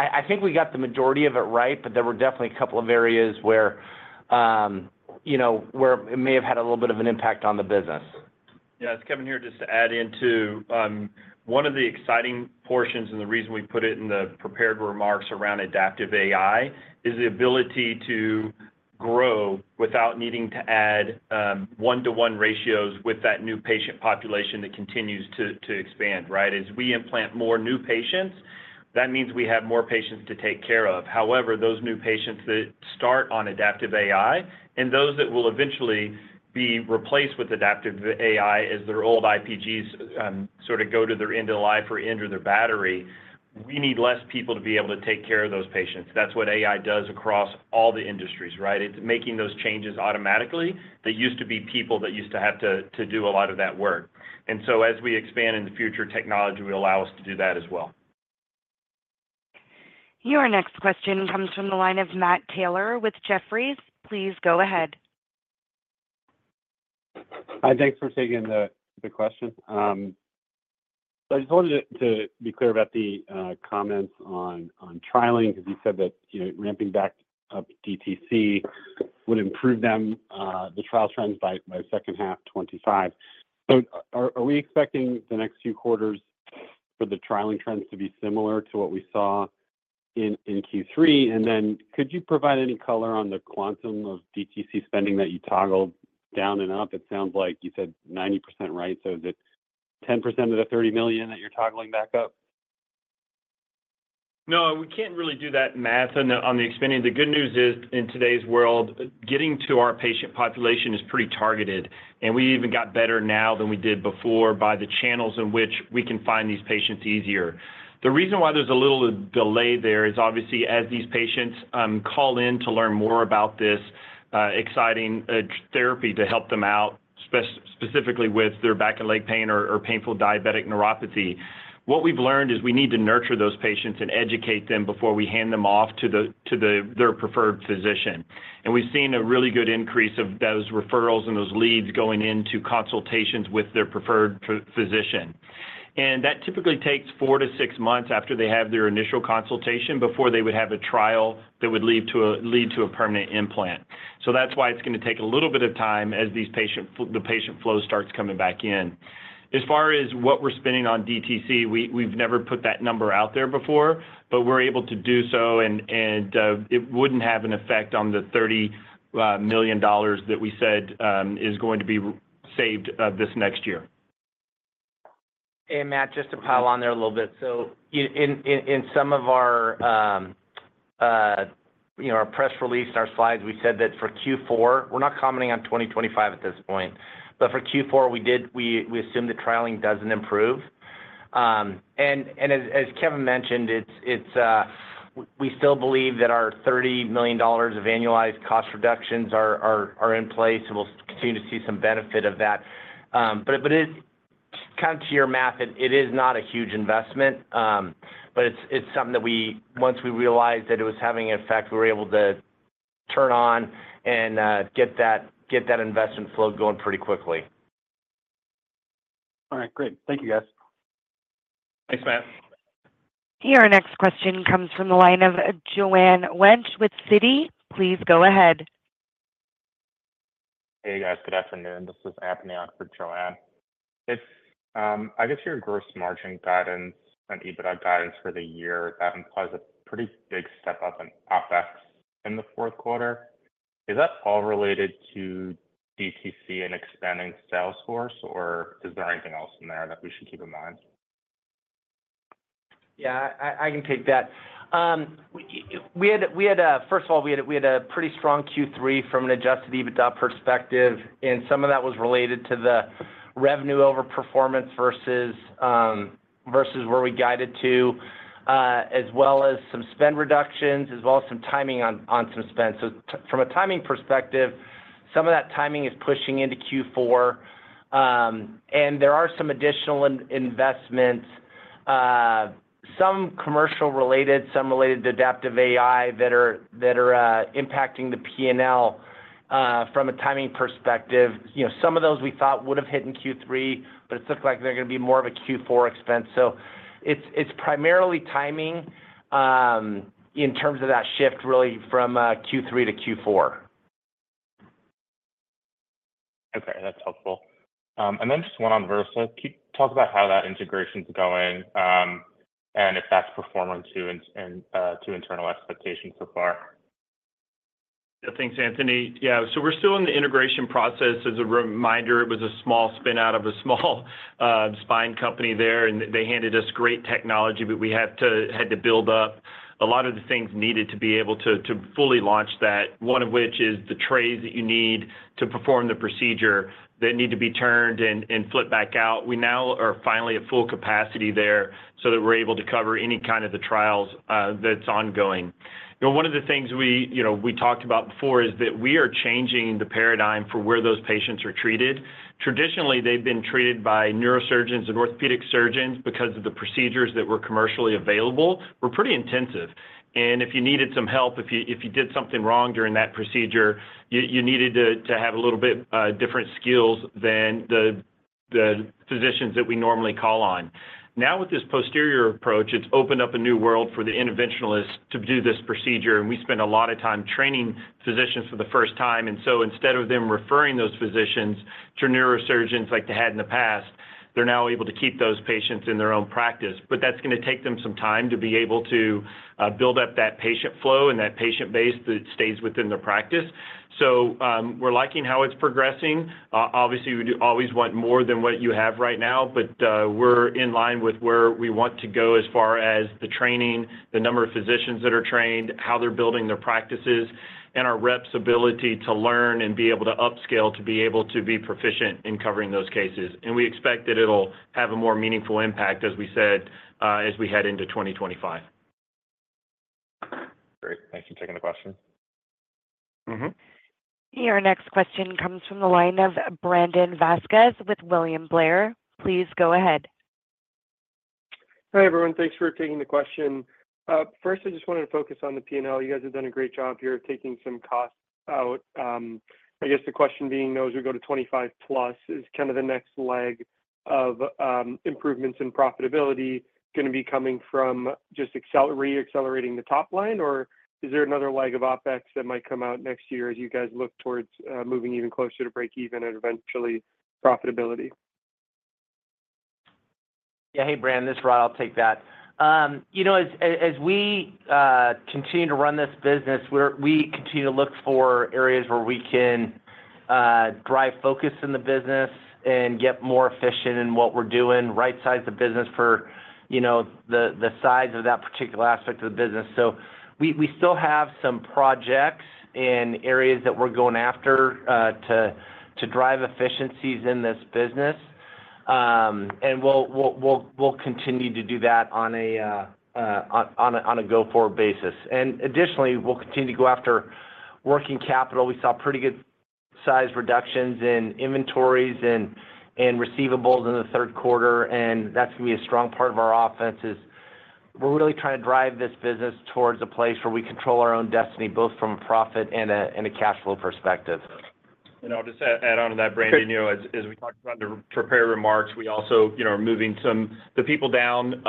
Speaker 4: I think we got the majority of it right, but there were definitely a couple of areas where it may have had a little bit of an impact on the business.
Speaker 3: Yeah, as Kevin here just to add into one of the exciting portions and the reason we put it in the prepared remarks around adaptive AI is the ability to grow without needing to add one-to-one ratios with that new patient population that continues to expand, right? As we implant more new patients, that means we have more patients to take care of. However, those new patients that start on adaptive AI and those that will eventually be replaced with adaptive AI as their old IPGs sort of go to their end of life or end of their battery, we need less people to be able to take care of those patients. That's what AI does across all the industries, right? It's making those changes automatically. They used to be people that used to have to do a lot of that work. As we expand in the future, technology will allow us to do that as well.
Speaker 1: Your next question comes from the line of Matt Taylor with Jefferies. Please go ahead.
Speaker 8: Hi, thanks for taking the question. I just wanted to be clear about the comments on trialing because you said that ramping back up DTC would improve the trial trends by second half 2025. Are we expecting the next few quarters for the trialing trends to be similar to what we saw in Q3? And then could you provide any color on the quantum of DTC spending that you toggled down and up? It sounds like you said 90%, right? Is it 10% of the $30 million that you're toggling back up?
Speaker 3: No, we can't really do that math on the expanding. The good news is in today's world, getting to our patient population is pretty targeted, and we even got better now than we did before by the channels in which we can find these patients easier. The reason why there's a little delay there is obviously as these patients call in to learn more about this exciting therapy to help them out, specifically with their back and leg pain or painful diabetic neuropathy. What we've learned is we need to nurture those patients and educate them before we hand them off to their preferred physician, and we've seen a really good increase of those referrals and those leads going into consultations with their preferred physician, and that typically takes four to six months after they have their initial consultation before they would have a trial that would lead to a permanent implant. So that's why it's going to take a little bit of time as the patient flow starts coming back in. As far as what we're spending on DTC, we've never put that number out there before, but we're able to do so, and it wouldn't have an effect on the $30 million that we said is going to be saved this next year. Hey, Matt, just to pile on there a little bit, so in some of our press release and our slides, we said that for Q4, we're not commenting on 2025 at this point, but for Q4, we assume that trialing doesn't improve, and as Kevin mentioned, we still believe that our $30 million of annualized cost reductions are in place, and we'll continue to see some benefit of that. But kind of to your math, it is not a huge investment, but it's something that once we realized that it was having an effect, we were able to turn on and get that investment flow going pretty quickly. All right, great.
Speaker 8: Thank you, guys.
Speaker 3: Thanks, Matt.
Speaker 1: Your next question comes from the line of Joanne Wuensch with Citi. Please go ahead. Hey, guys. Good afternoon. This is Anthony Oxford, Joanne. I guess your gross margin guidance and EBITDA guidance for the year, that implies a pretty big step up in OpEx in the fourth quarter. Is that all related to DTC and expanding Salesforce, or is there anything else in there that we should keep in mind?
Speaker 4: Yeah, I can take that. First of all, we had a pretty strong Q3 from an Adjusted EBITDA perspective, and some of that was related to the revenue over performance versus where we guided to, as well as some spend reductions, as well as some timing on some spend. So from a timing perspective, some of that timing is pushing into Q4, and there are some additional investments, some commercial-related, some related to adaptive AI that are impacting the P&L from a timing perspective. Some of those we thought would have hit in Q3, but it looks like they're going to be more of a Q4 expense. So it's primarily timing in terms of that shift really from Q3 to Q4.
Speaker 9: Okay, that's helpful. And then just one on Vyrsa. Talk about how that integration's going and if that's performing to internal expectations so far.
Speaker 3: Yeah, thanks, Anthony. Yeah, so we're still in the integration process. As a reminder, it was a small spin out of a small spine company there, and they handed us great technology, but we had to build up a lot of the things needed to be able to fully launch that, one of which is the trays that you need to perform the procedure that need to be turned and flipped back out. We now are finally at full capacity there so that we're able to cover any kind of the trials that's ongoing. One of the things we talked about before is that we are changing the paradigm for where those patients are treated. Traditionally, they've been treated by neurosurgeons and orthopedic surgeons because of the procedures that were commercially available. We're pretty intensive. And if you needed some help, if you did something wrong during that procedure, you needed to have a little bit different skills than the physicians that we normally call on. Now, with this posterior approach, it's opened up a new world for the interventionalists to do this procedure, and we spend a lot of time training physicians for the first time. And so instead of them referring those patients to neurosurgeons like they had in the past, they're now able to keep those patients in their own practice. But that's going to take them some time to be able to build up that patient flow and that patient base that stays within their practice. So we're liking how it's progressing. Obviously, we always want more than what you have right now, but we're in line with where we want to go as far as the training, the number of physicians that are trained, how they're building their practices, and our reps' ability to learn and be able to upscale to be able to be proficient in covering those cases, and we expect that it'll have a more meaningful impact, as we said, as we head into 2025.
Speaker 9: Great. Thanks for taking the question.
Speaker 1: Your next question comes from the line of Brandon Vazquez with William Blair. Please go ahead.
Speaker 10: Hi everyone. Thanks for taking the question. First, I just wanted to focus on the P&L. You guys have done a great job here of taking some costs out. I guess the question being those who go to 25-plus is kind of the next leg of improvements in profitability going to be coming from just re-accelerating the top line, or is there another leg of OpEx that might come out next year as you guys look towards moving even closer to break-even and eventually profitability?
Speaker 4: Yeah, hey, Brandon, this is Rod. I'll take that. As we continue to run this business, we continue to look for areas where we can drive focus in the business and get more efficient in what we're doing, right-size the business for the size of that particular aspect of the business. So we still have some projects and areas that we're going after to drive efficiencies in this business, and we'll continue to do that on a go-forward basis, and additionally, we'll continue to go after working capital. We saw pretty good size reductions in inventories and receivables in the third quarter, and that's going to be a strong part of our offense as we're really trying to drive this business towards a place where we control our own destiny both from a profit and a cash flow perspective.
Speaker 3: I'll just add on to that, Brandon, as we talked about in the prepared remarks, we also are moving some of the people down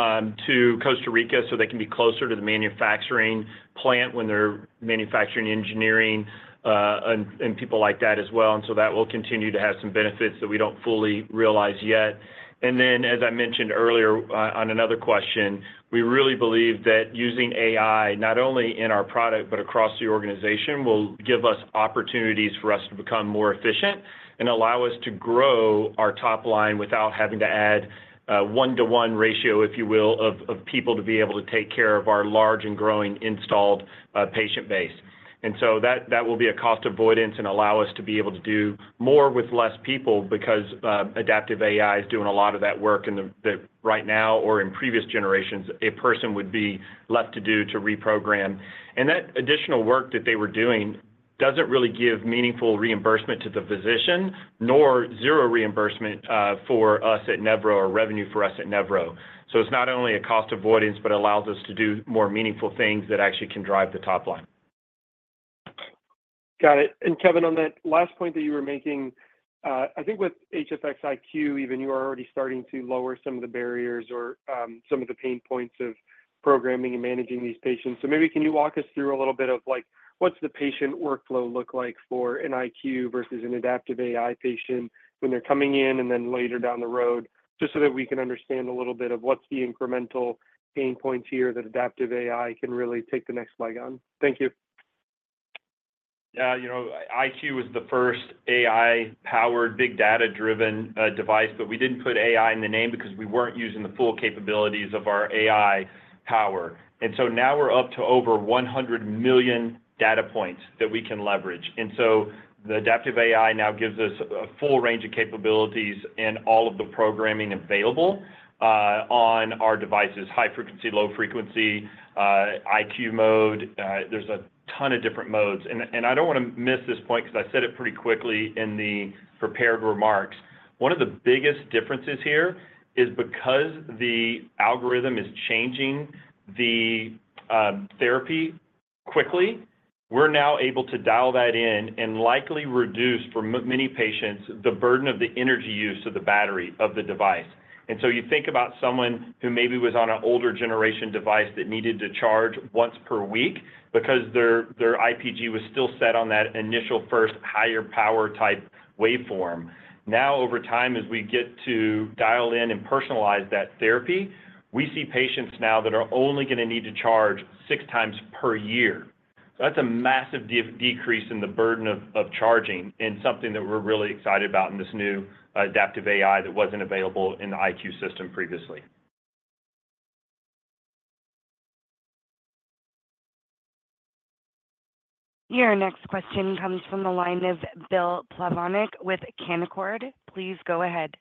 Speaker 3: to Costa Rica so they can be closer to the manufacturing plant when they're manufacturing, engineering, and people like that as well, and so that will continue to have some benefits that we don't fully realize yet. And then, as I mentioned earlier on another question, we really believe that using AI, not only in our product but across the organization, will give us opportunities for us to become more efficient and allow us to grow our top line without having to add one-to-one ratio, if you will, of people to be able to take care of our large and growing installed patient base. And so that will be a cost avoidance and allow us to be able to do more with less people because adaptive AI is doing a lot of that work right now or in previous generations, a person would be left to do to reprogram. And that additional work that they were doing doesn't really give meaningful reimbursement to the physician, nor zero reimbursement for us at Nevro or revenue for us at Nevro. So it's not only a cost avoidance, but it allows us to do more meaningful things that actually can drive the top line. Got it. And Kevin, on that last point that you were making, I think with HFX iQ, even you are already starting to lower some of the barriers or some of the pain points of programming and managing these patients. So maybe can you walk us through a little bit of what's the patient workflow look like for an iQ versus an adaptive AI patient when they're coming in and then later down the road, just so that we can understand a little bit of what's the incremental pain points here that adaptive AI can really take the next leg on? Thank you. Yeah, IQ was the first AI-powered, big data-driven device, but we didn't put AI in the name because we weren't using the full capabilities of our AI power. And so now we're up to over 100 million data points that we can leverage. And so the adaptive AI now gives us a full range of capabilities and all of the programming available on our devices: high frequency, low frequency, IQ mode. There's a ton of different modes. And I don't want to miss this point because I said it pretty quickly in the prepared remarks. One of the biggest differences here is because the algorithm is changing the therapy quickly, we're now able to dial that in and likely reduce for many patients the burden of the energy use of the battery of the device. And so you think about someone who maybe was on an older generation device that needed to charge once per week because their IPG was still set on that initial first higher power type waveform. Now, over time, as we get to dial in and personalize that therapy, we see patients now that are only going to need to charge six times per year. So that's a massive decrease in the burden of charging and something that we're really excited about in this new adaptive AI that wasn't available in the IQ system previously.
Speaker 1: Your next question comes from the line of Bill Plovanic with Canaccord. Please go ahead.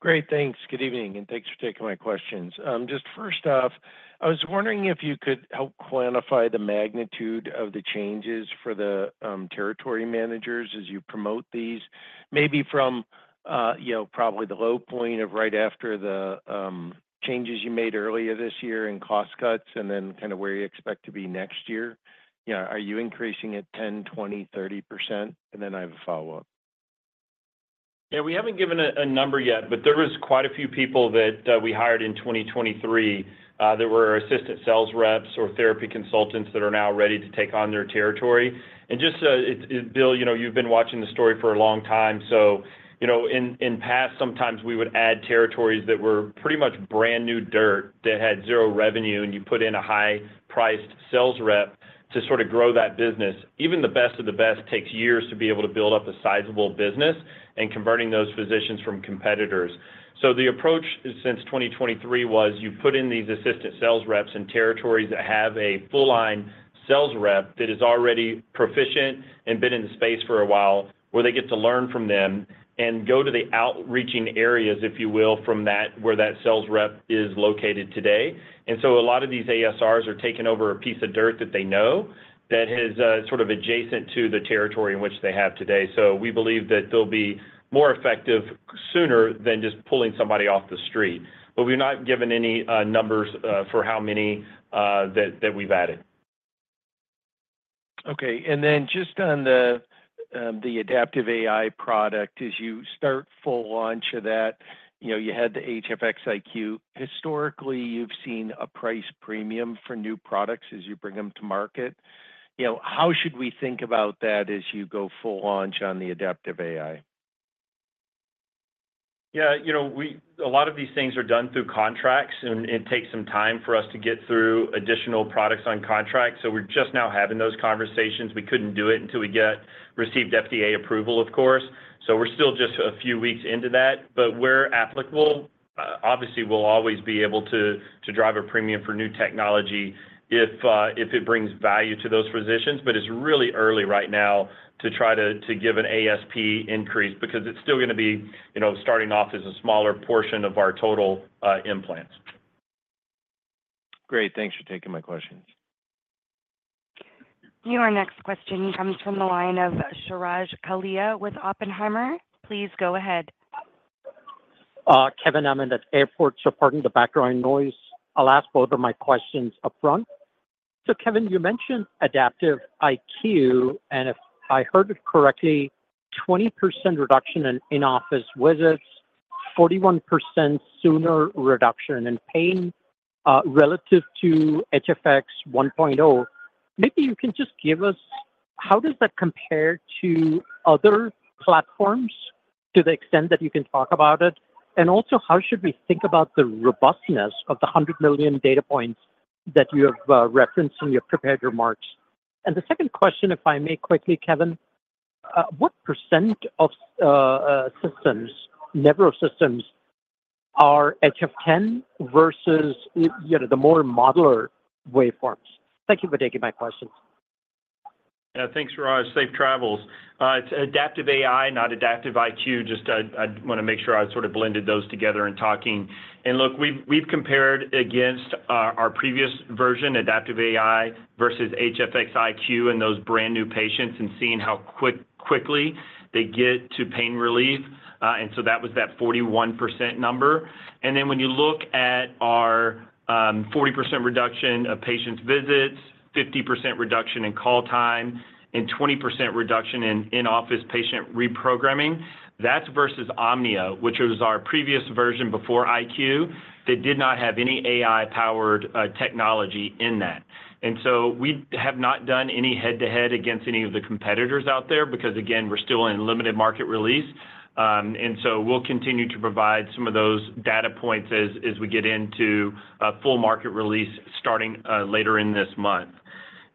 Speaker 11: Great, thanks. Good evening, and thanks for taking my questions. Just first off, I was wondering if you could help quantify the magnitude of the changes for the territory managers as you promote these, maybe from probably the low point of right after the changes you made earlier this year in cost cuts and then kind of where you expect to be next year. Are you increasing it 10%, 20%, 30%? And then I have a follow-up.
Speaker 3: Yeah, we haven't given a number yet, but there was quite a few people that we hired in 2023 that were assistant sales reps or therapy consultants that are now ready to take on their territory. And just Bill, you've been watching the story for a long time. So in the past, sometimes we would add territories that were pretty much brand new dirt that had zero revenue, and you put in a high-priced sales rep to sort of grow that business. Even the best of the best takes years to be able to build up a sizable business and converting those physicians from competitors. The approach since 2023 was you put in these associate sales reps in territories that have a full-time sales rep that is already proficient and been in the space for a while where they get to learn from them and go to the outreaching areas, if you will, from where that sales rep is located today. A lot of these ASRs are taken over a piece of dirt that they know that is sort of adjacent to the territory in which they have today. We believe that they'll be more effective sooner than just pulling somebody off the street. We're not given any numbers for how many that we've added.
Speaker 11: Okay. Then just on the adaptive AI product, as you start full launch of that, you had the HFX iQ. Historically, you've seen a price premium for new products as you bring them to market. How should we think about that as you go full launch on the adaptive AI?
Speaker 3: Yeah, a lot of these things are done through contracts, and it takes some time for us to get through additional products on contracts. So we're just now having those conversations. We couldn't do it until we received FDA approval, of course. So we're still just a few weeks into that. But where applicable, obviously, we'll always be able to drive a premium for new technology if it brings value to those physicians. But it's really early right now to try to give an ASP increase because it's still going to be starting off as a smaller portion of our total implants.
Speaker 11: Great. Thanks for taking my questions.
Speaker 1: Your next question comes from the line of Suraj Kalia with Oppenheimer. Please go ahead.
Speaker 12: Kevin, I'm in the airport, so pardon the background noise. I'll ask both of my questions upfront. So Kevin, you mentioned adaptive IQ, and if I heard it correctly, 20% reduction in in-office visits, 41% sooner reduction in pain relative to HFX 1.0. Maybe you can just give us how does that compare to other platforms to the extent that you can talk about it? And also, how should we think about the robustness of the 100 million data points that you have referenced in your prepared remarks? The second question, if I may quickly, Kevin, what % of Nevro systems are HF10 versus the more modular waveforms? Thank you for taking my questions.
Speaker 3: Yeah, thanks, Suraj. Safe travels. It's adaptive AI, not adaptive IQ. Just, I want to make sure I sort of blended those together in talking. Look, we've compared against our previous version, adaptive AI versus HFX iQ and those brand new patients and seeing how quickly they get to pain relief. So that was that 41% number. Then when you look at our 40% reduction of patients' visits, 50% reduction in call time, and 20% reduction in in-office patient reprogramming, that's versus Omnia, which was our previous version before IQ that did not have any AI-powered technology in that. And so we have not done any head-to-head against any of the competitors out there because, again, we're still in limited market release. And so we'll continue to provide some of those data points as we get into full market release starting later in this month.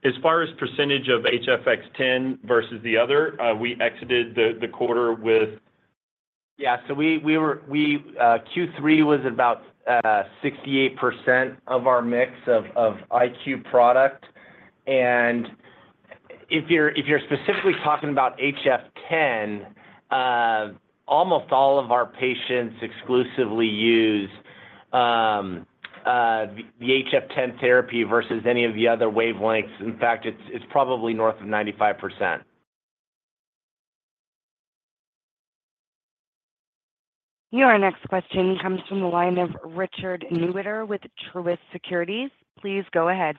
Speaker 3: As far as percentage of HF10 versus the other, we exited the quarter with. Yeah. So Q3 was about 68% of our mix of IQ product. And if you're specifically talking about HF10, almost all of our patients exclusively use the HF10 therapy versus any of the other wavelengths. In fact, it's probably north of 95%.
Speaker 1: Your next question comes from the line of Richard Newitter with Truist Securities. Please go ahead.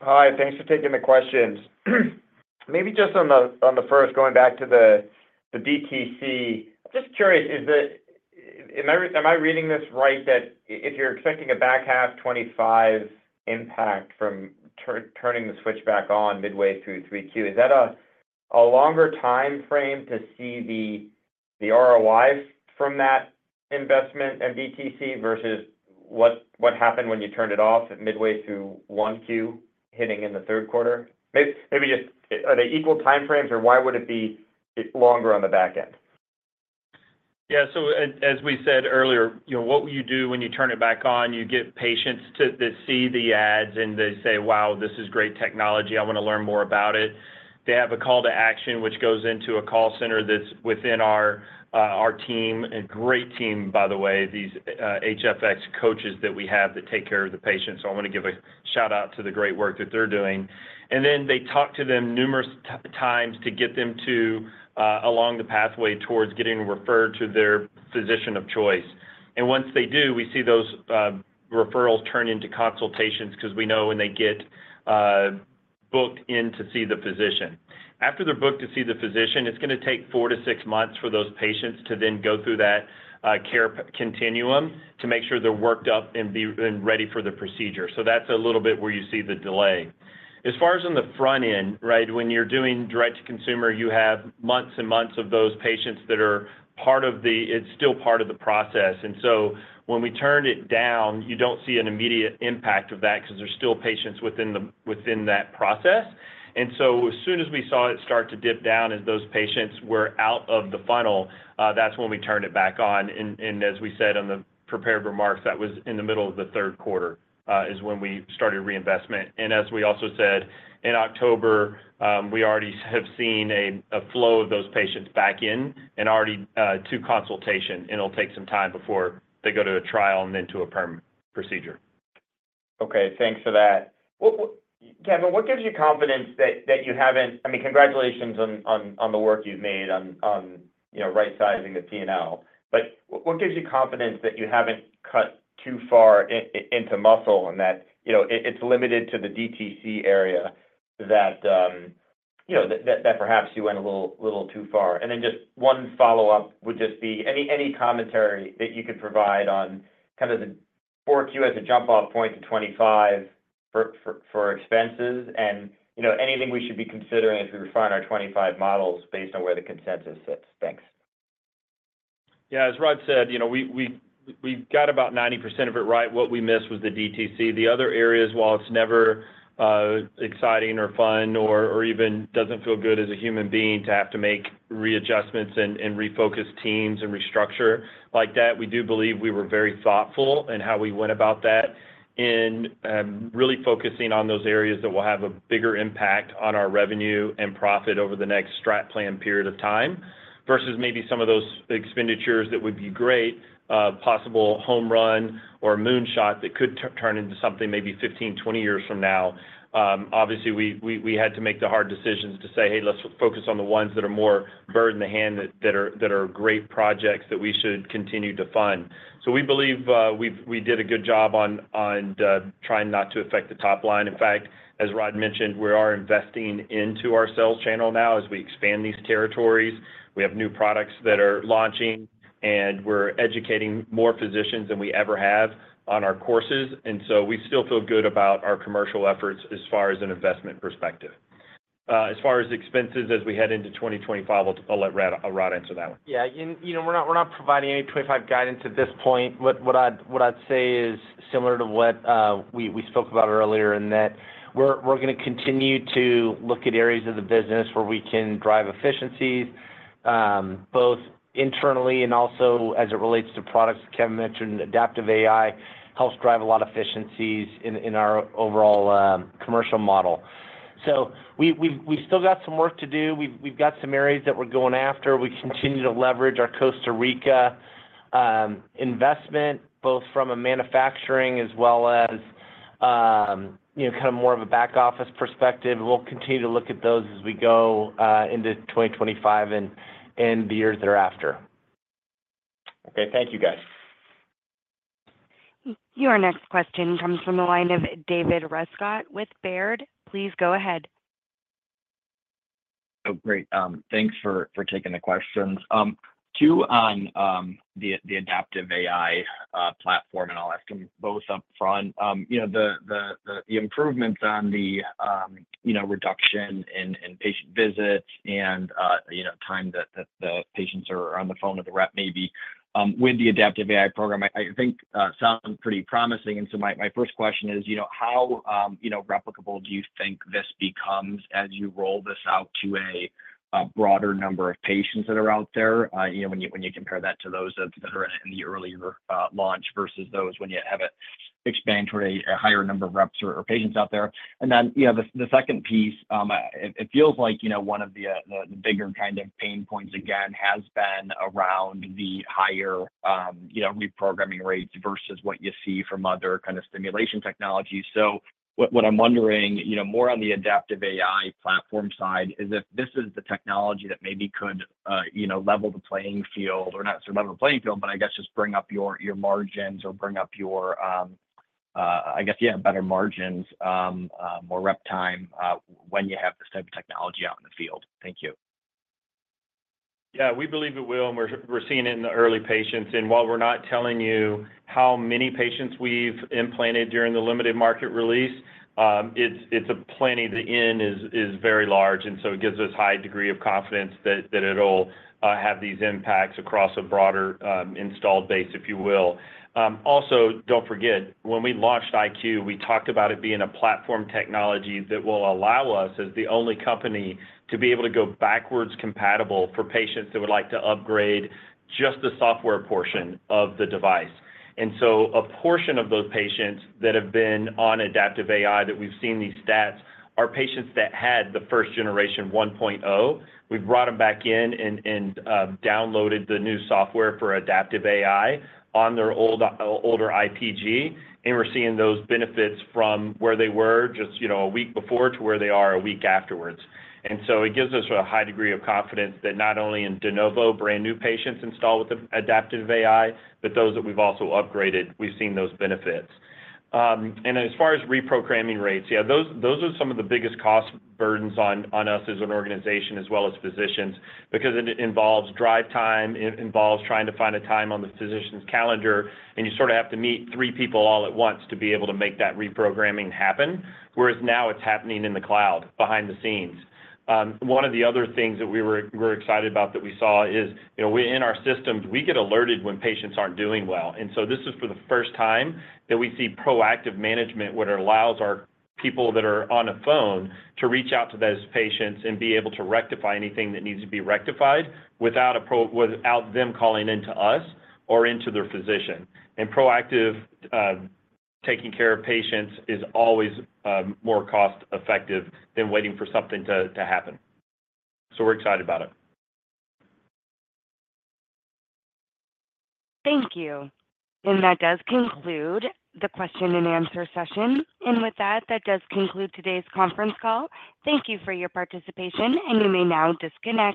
Speaker 13: Hi. Thanks for taking the questions. Maybe just on the first, going back to the DTC, just curious, am I reading this right that if you're expecting a back half 2025 impact from turning the switch back on midway through 3Q, is that a longer time frame to see the ROI from that investment and DTC versus what happened when you turned it off midway through 1Q hitting in the third quarter? Maybe just are they equal time frames, or why would it be longer on the back end?
Speaker 3: Yeah. So as we said earlier, what will you do when you turn it back on? You get patients to see the ads, and they say, "Wow, this is great technology. I want to learn more about it." They have a call to action, which goes into a call center that's within our team, a great team, by the way, these HFX Coaches that we have that take care of the patients. So I want to give a shout-out to the great work that they're doing. And then they talk to them numerous times to get them along the pathway towards getting referred to their physician of choice. And once they do, we see those referrals turn into consultations because we know when they get booked in to see the physician. After they're booked to see the physician, it's going to take four to six months for those patients to then go through that care continuum to make sure they're worked up and ready for the procedure. So that's a little bit where you see the delay. As far as on the front end, right, when you're doing direct-to-consumer, you have months and months of those patients that are part of the it's still part of the process. And so when we turned it down, you don't see an immediate impact of that because there's still patients within that process. And so as soon as we saw it start to dip down as those patients were out of the funnel, that's when we turned it back on. And as we said on the prepared remarks, that was in the middle of the third quarter is when we started reinvestment. And as we also said, in October, we already have seen a flow of those patients back in and already to consultation. And it'll take some time before they go to a trial and then to a permanent procedure.
Speaker 13: Okay. Thanks for that. Kevin, what gives you confidence that you haven't? I mean, congratulations on the work you've made on right-sizing the P&L. But what gives you confidence that you haven't cut too far into muscle and that it's limited to the DTC area that perhaps you went a little too far? And then just one follow-up would just be any commentary that you could provide on kind of the 4Q as a jump-off point to 25 for expenses and anything we should be considering as we refine our 25 models based on where the consensus sits. Thanks.
Speaker 3: Yeah. As Rod said, we got about 90% of it right. What we missed was the DTC. The other areas, while it's never exciting or fun or even doesn't feel good as a human being to have to make readjustments and refocus teams and restructure like that, we do believe we were very thoughtful in how we went about that and really focusing on those areas that will have a bigger impact on our revenue and profit over the next strat plan period of time versus maybe some of those expenditures that would be great, possible home run or moonshot that could turn into something maybe 15, 20 years from now. Obviously, we had to make the hard decisions to say, "Hey, let's focus on the ones that are more bird in the hand that are great projects that we should continue to fund." So we believe we did a good job on trying not to affect the top line. In fact, as Rod mentioned, we are investing into our sales channel now as we expand these territories. We have new products that are launching, and we're educating more physicians than we ever have on our courses. And so we still feel good about our commercial efforts as far as an investment perspective. As far as expenses, as we head into 2025, I'll let Rod answer that one.
Speaker 4: Yeah. We're not providing any 25 guidance at this point. What I'd say is similar to what we spoke about earlier in that we're going to continue to look at areas of the business where we can drive efficiencies both internally and also as it relates to products. Kevin mentioned adaptive AI helps drive a lot of efficiencies in our overall commercial model. So we've still got some work to do. We've got some areas that we're going after. We continue to leverage our Costa Rica investment both from a manufacturing as well as kind of more of a back office perspective. We'll continue to look at those as we go into 2025 and the years thereafter.
Speaker 13: Okay. Thank you, guys.
Speaker 1: Your next question comes from the line of David Rescott with Baird. Please go ahead.
Speaker 14: Oh, great. Thanks for taking the questions. Two on the adaptive AI platform, and I'll ask them both upfront. The improvements on the reduction in patient visits and time that the patients are on the phone with the rep maybe with the adaptive AI program, I think sounds pretty promising. And so my first question is, how replicable do you think this becomes as you roll this out to a broader number of patients that are out there when you compare that to those that are in the earlier launch versus those when you have an expansion or a higher number of reps or patients out there? And then the second piece, it feels like one of the bigger kind of pain points again has been around the higher reprogramming rates versus what you see from other kind of stimulation technologies. So what I'm wondering more on the adaptive AI platform side is if this is the technology that maybe could level the playing field or not necessarily level the playing field, but I guess just bring up your margins or bring up your, I guess, yeah, better margins, more rep time when you have this type of technology out in the field. Thank you.
Speaker 3: Yeah. We believe it will, and we're seeing it in the early patients. And while we're not telling you how many patients we've implanted during the limited market release, it's plenty. The end market is very large. And so it gives us a high degree of confidence that it'll have these impacts across a broader installed base, if you will. Also, don't forget, when we launched IQ, we talked about it being a platform technology that will allow us as the only company to be able to go backwards compatible for patients that would like to upgrade just the software portion of the device. And so a portion of those patients that have been on adaptive AI that we've seen these stats are patients that had the first generation 1.0. We've brought them back in and downloaded the new software for adaptive AI on their older IPG, and we're seeing those benefits from where they were just a week before to where they are a week afterwards. And so it gives us a high degree of confidence that not only in de novo brand new patients installed with adaptive AI, but those that we've also upgraded, we've seen those benefits. And as far as reprogramming rates, yeah, those are some of the biggest cost burdens on us as an organization as well as physicians because it involves drive time, it involves trying to find a time on the physician's calendar, and you sort of have to meet three people all at once to be able to make that reprogramming happen, whereas now it's happening in the cloud behind the scenes. One of the other things that we were excited about that we saw is in our systems, we get alerted when patients aren't doing well. And so this is for the first time that we see proactive management where it allows our people that are on the phone to reach out to those patients and be able to rectify anything that needs to be rectified without them calling into us or into their physician. And proactive taking care of patients is always more cost-effective than waiting for something to happen. So we're excited about it.
Speaker 1: Thank you. And that does conclude the question and answer session. And with that, that does conclude today's conference call. Thank you for your participation, and you may now disconnect.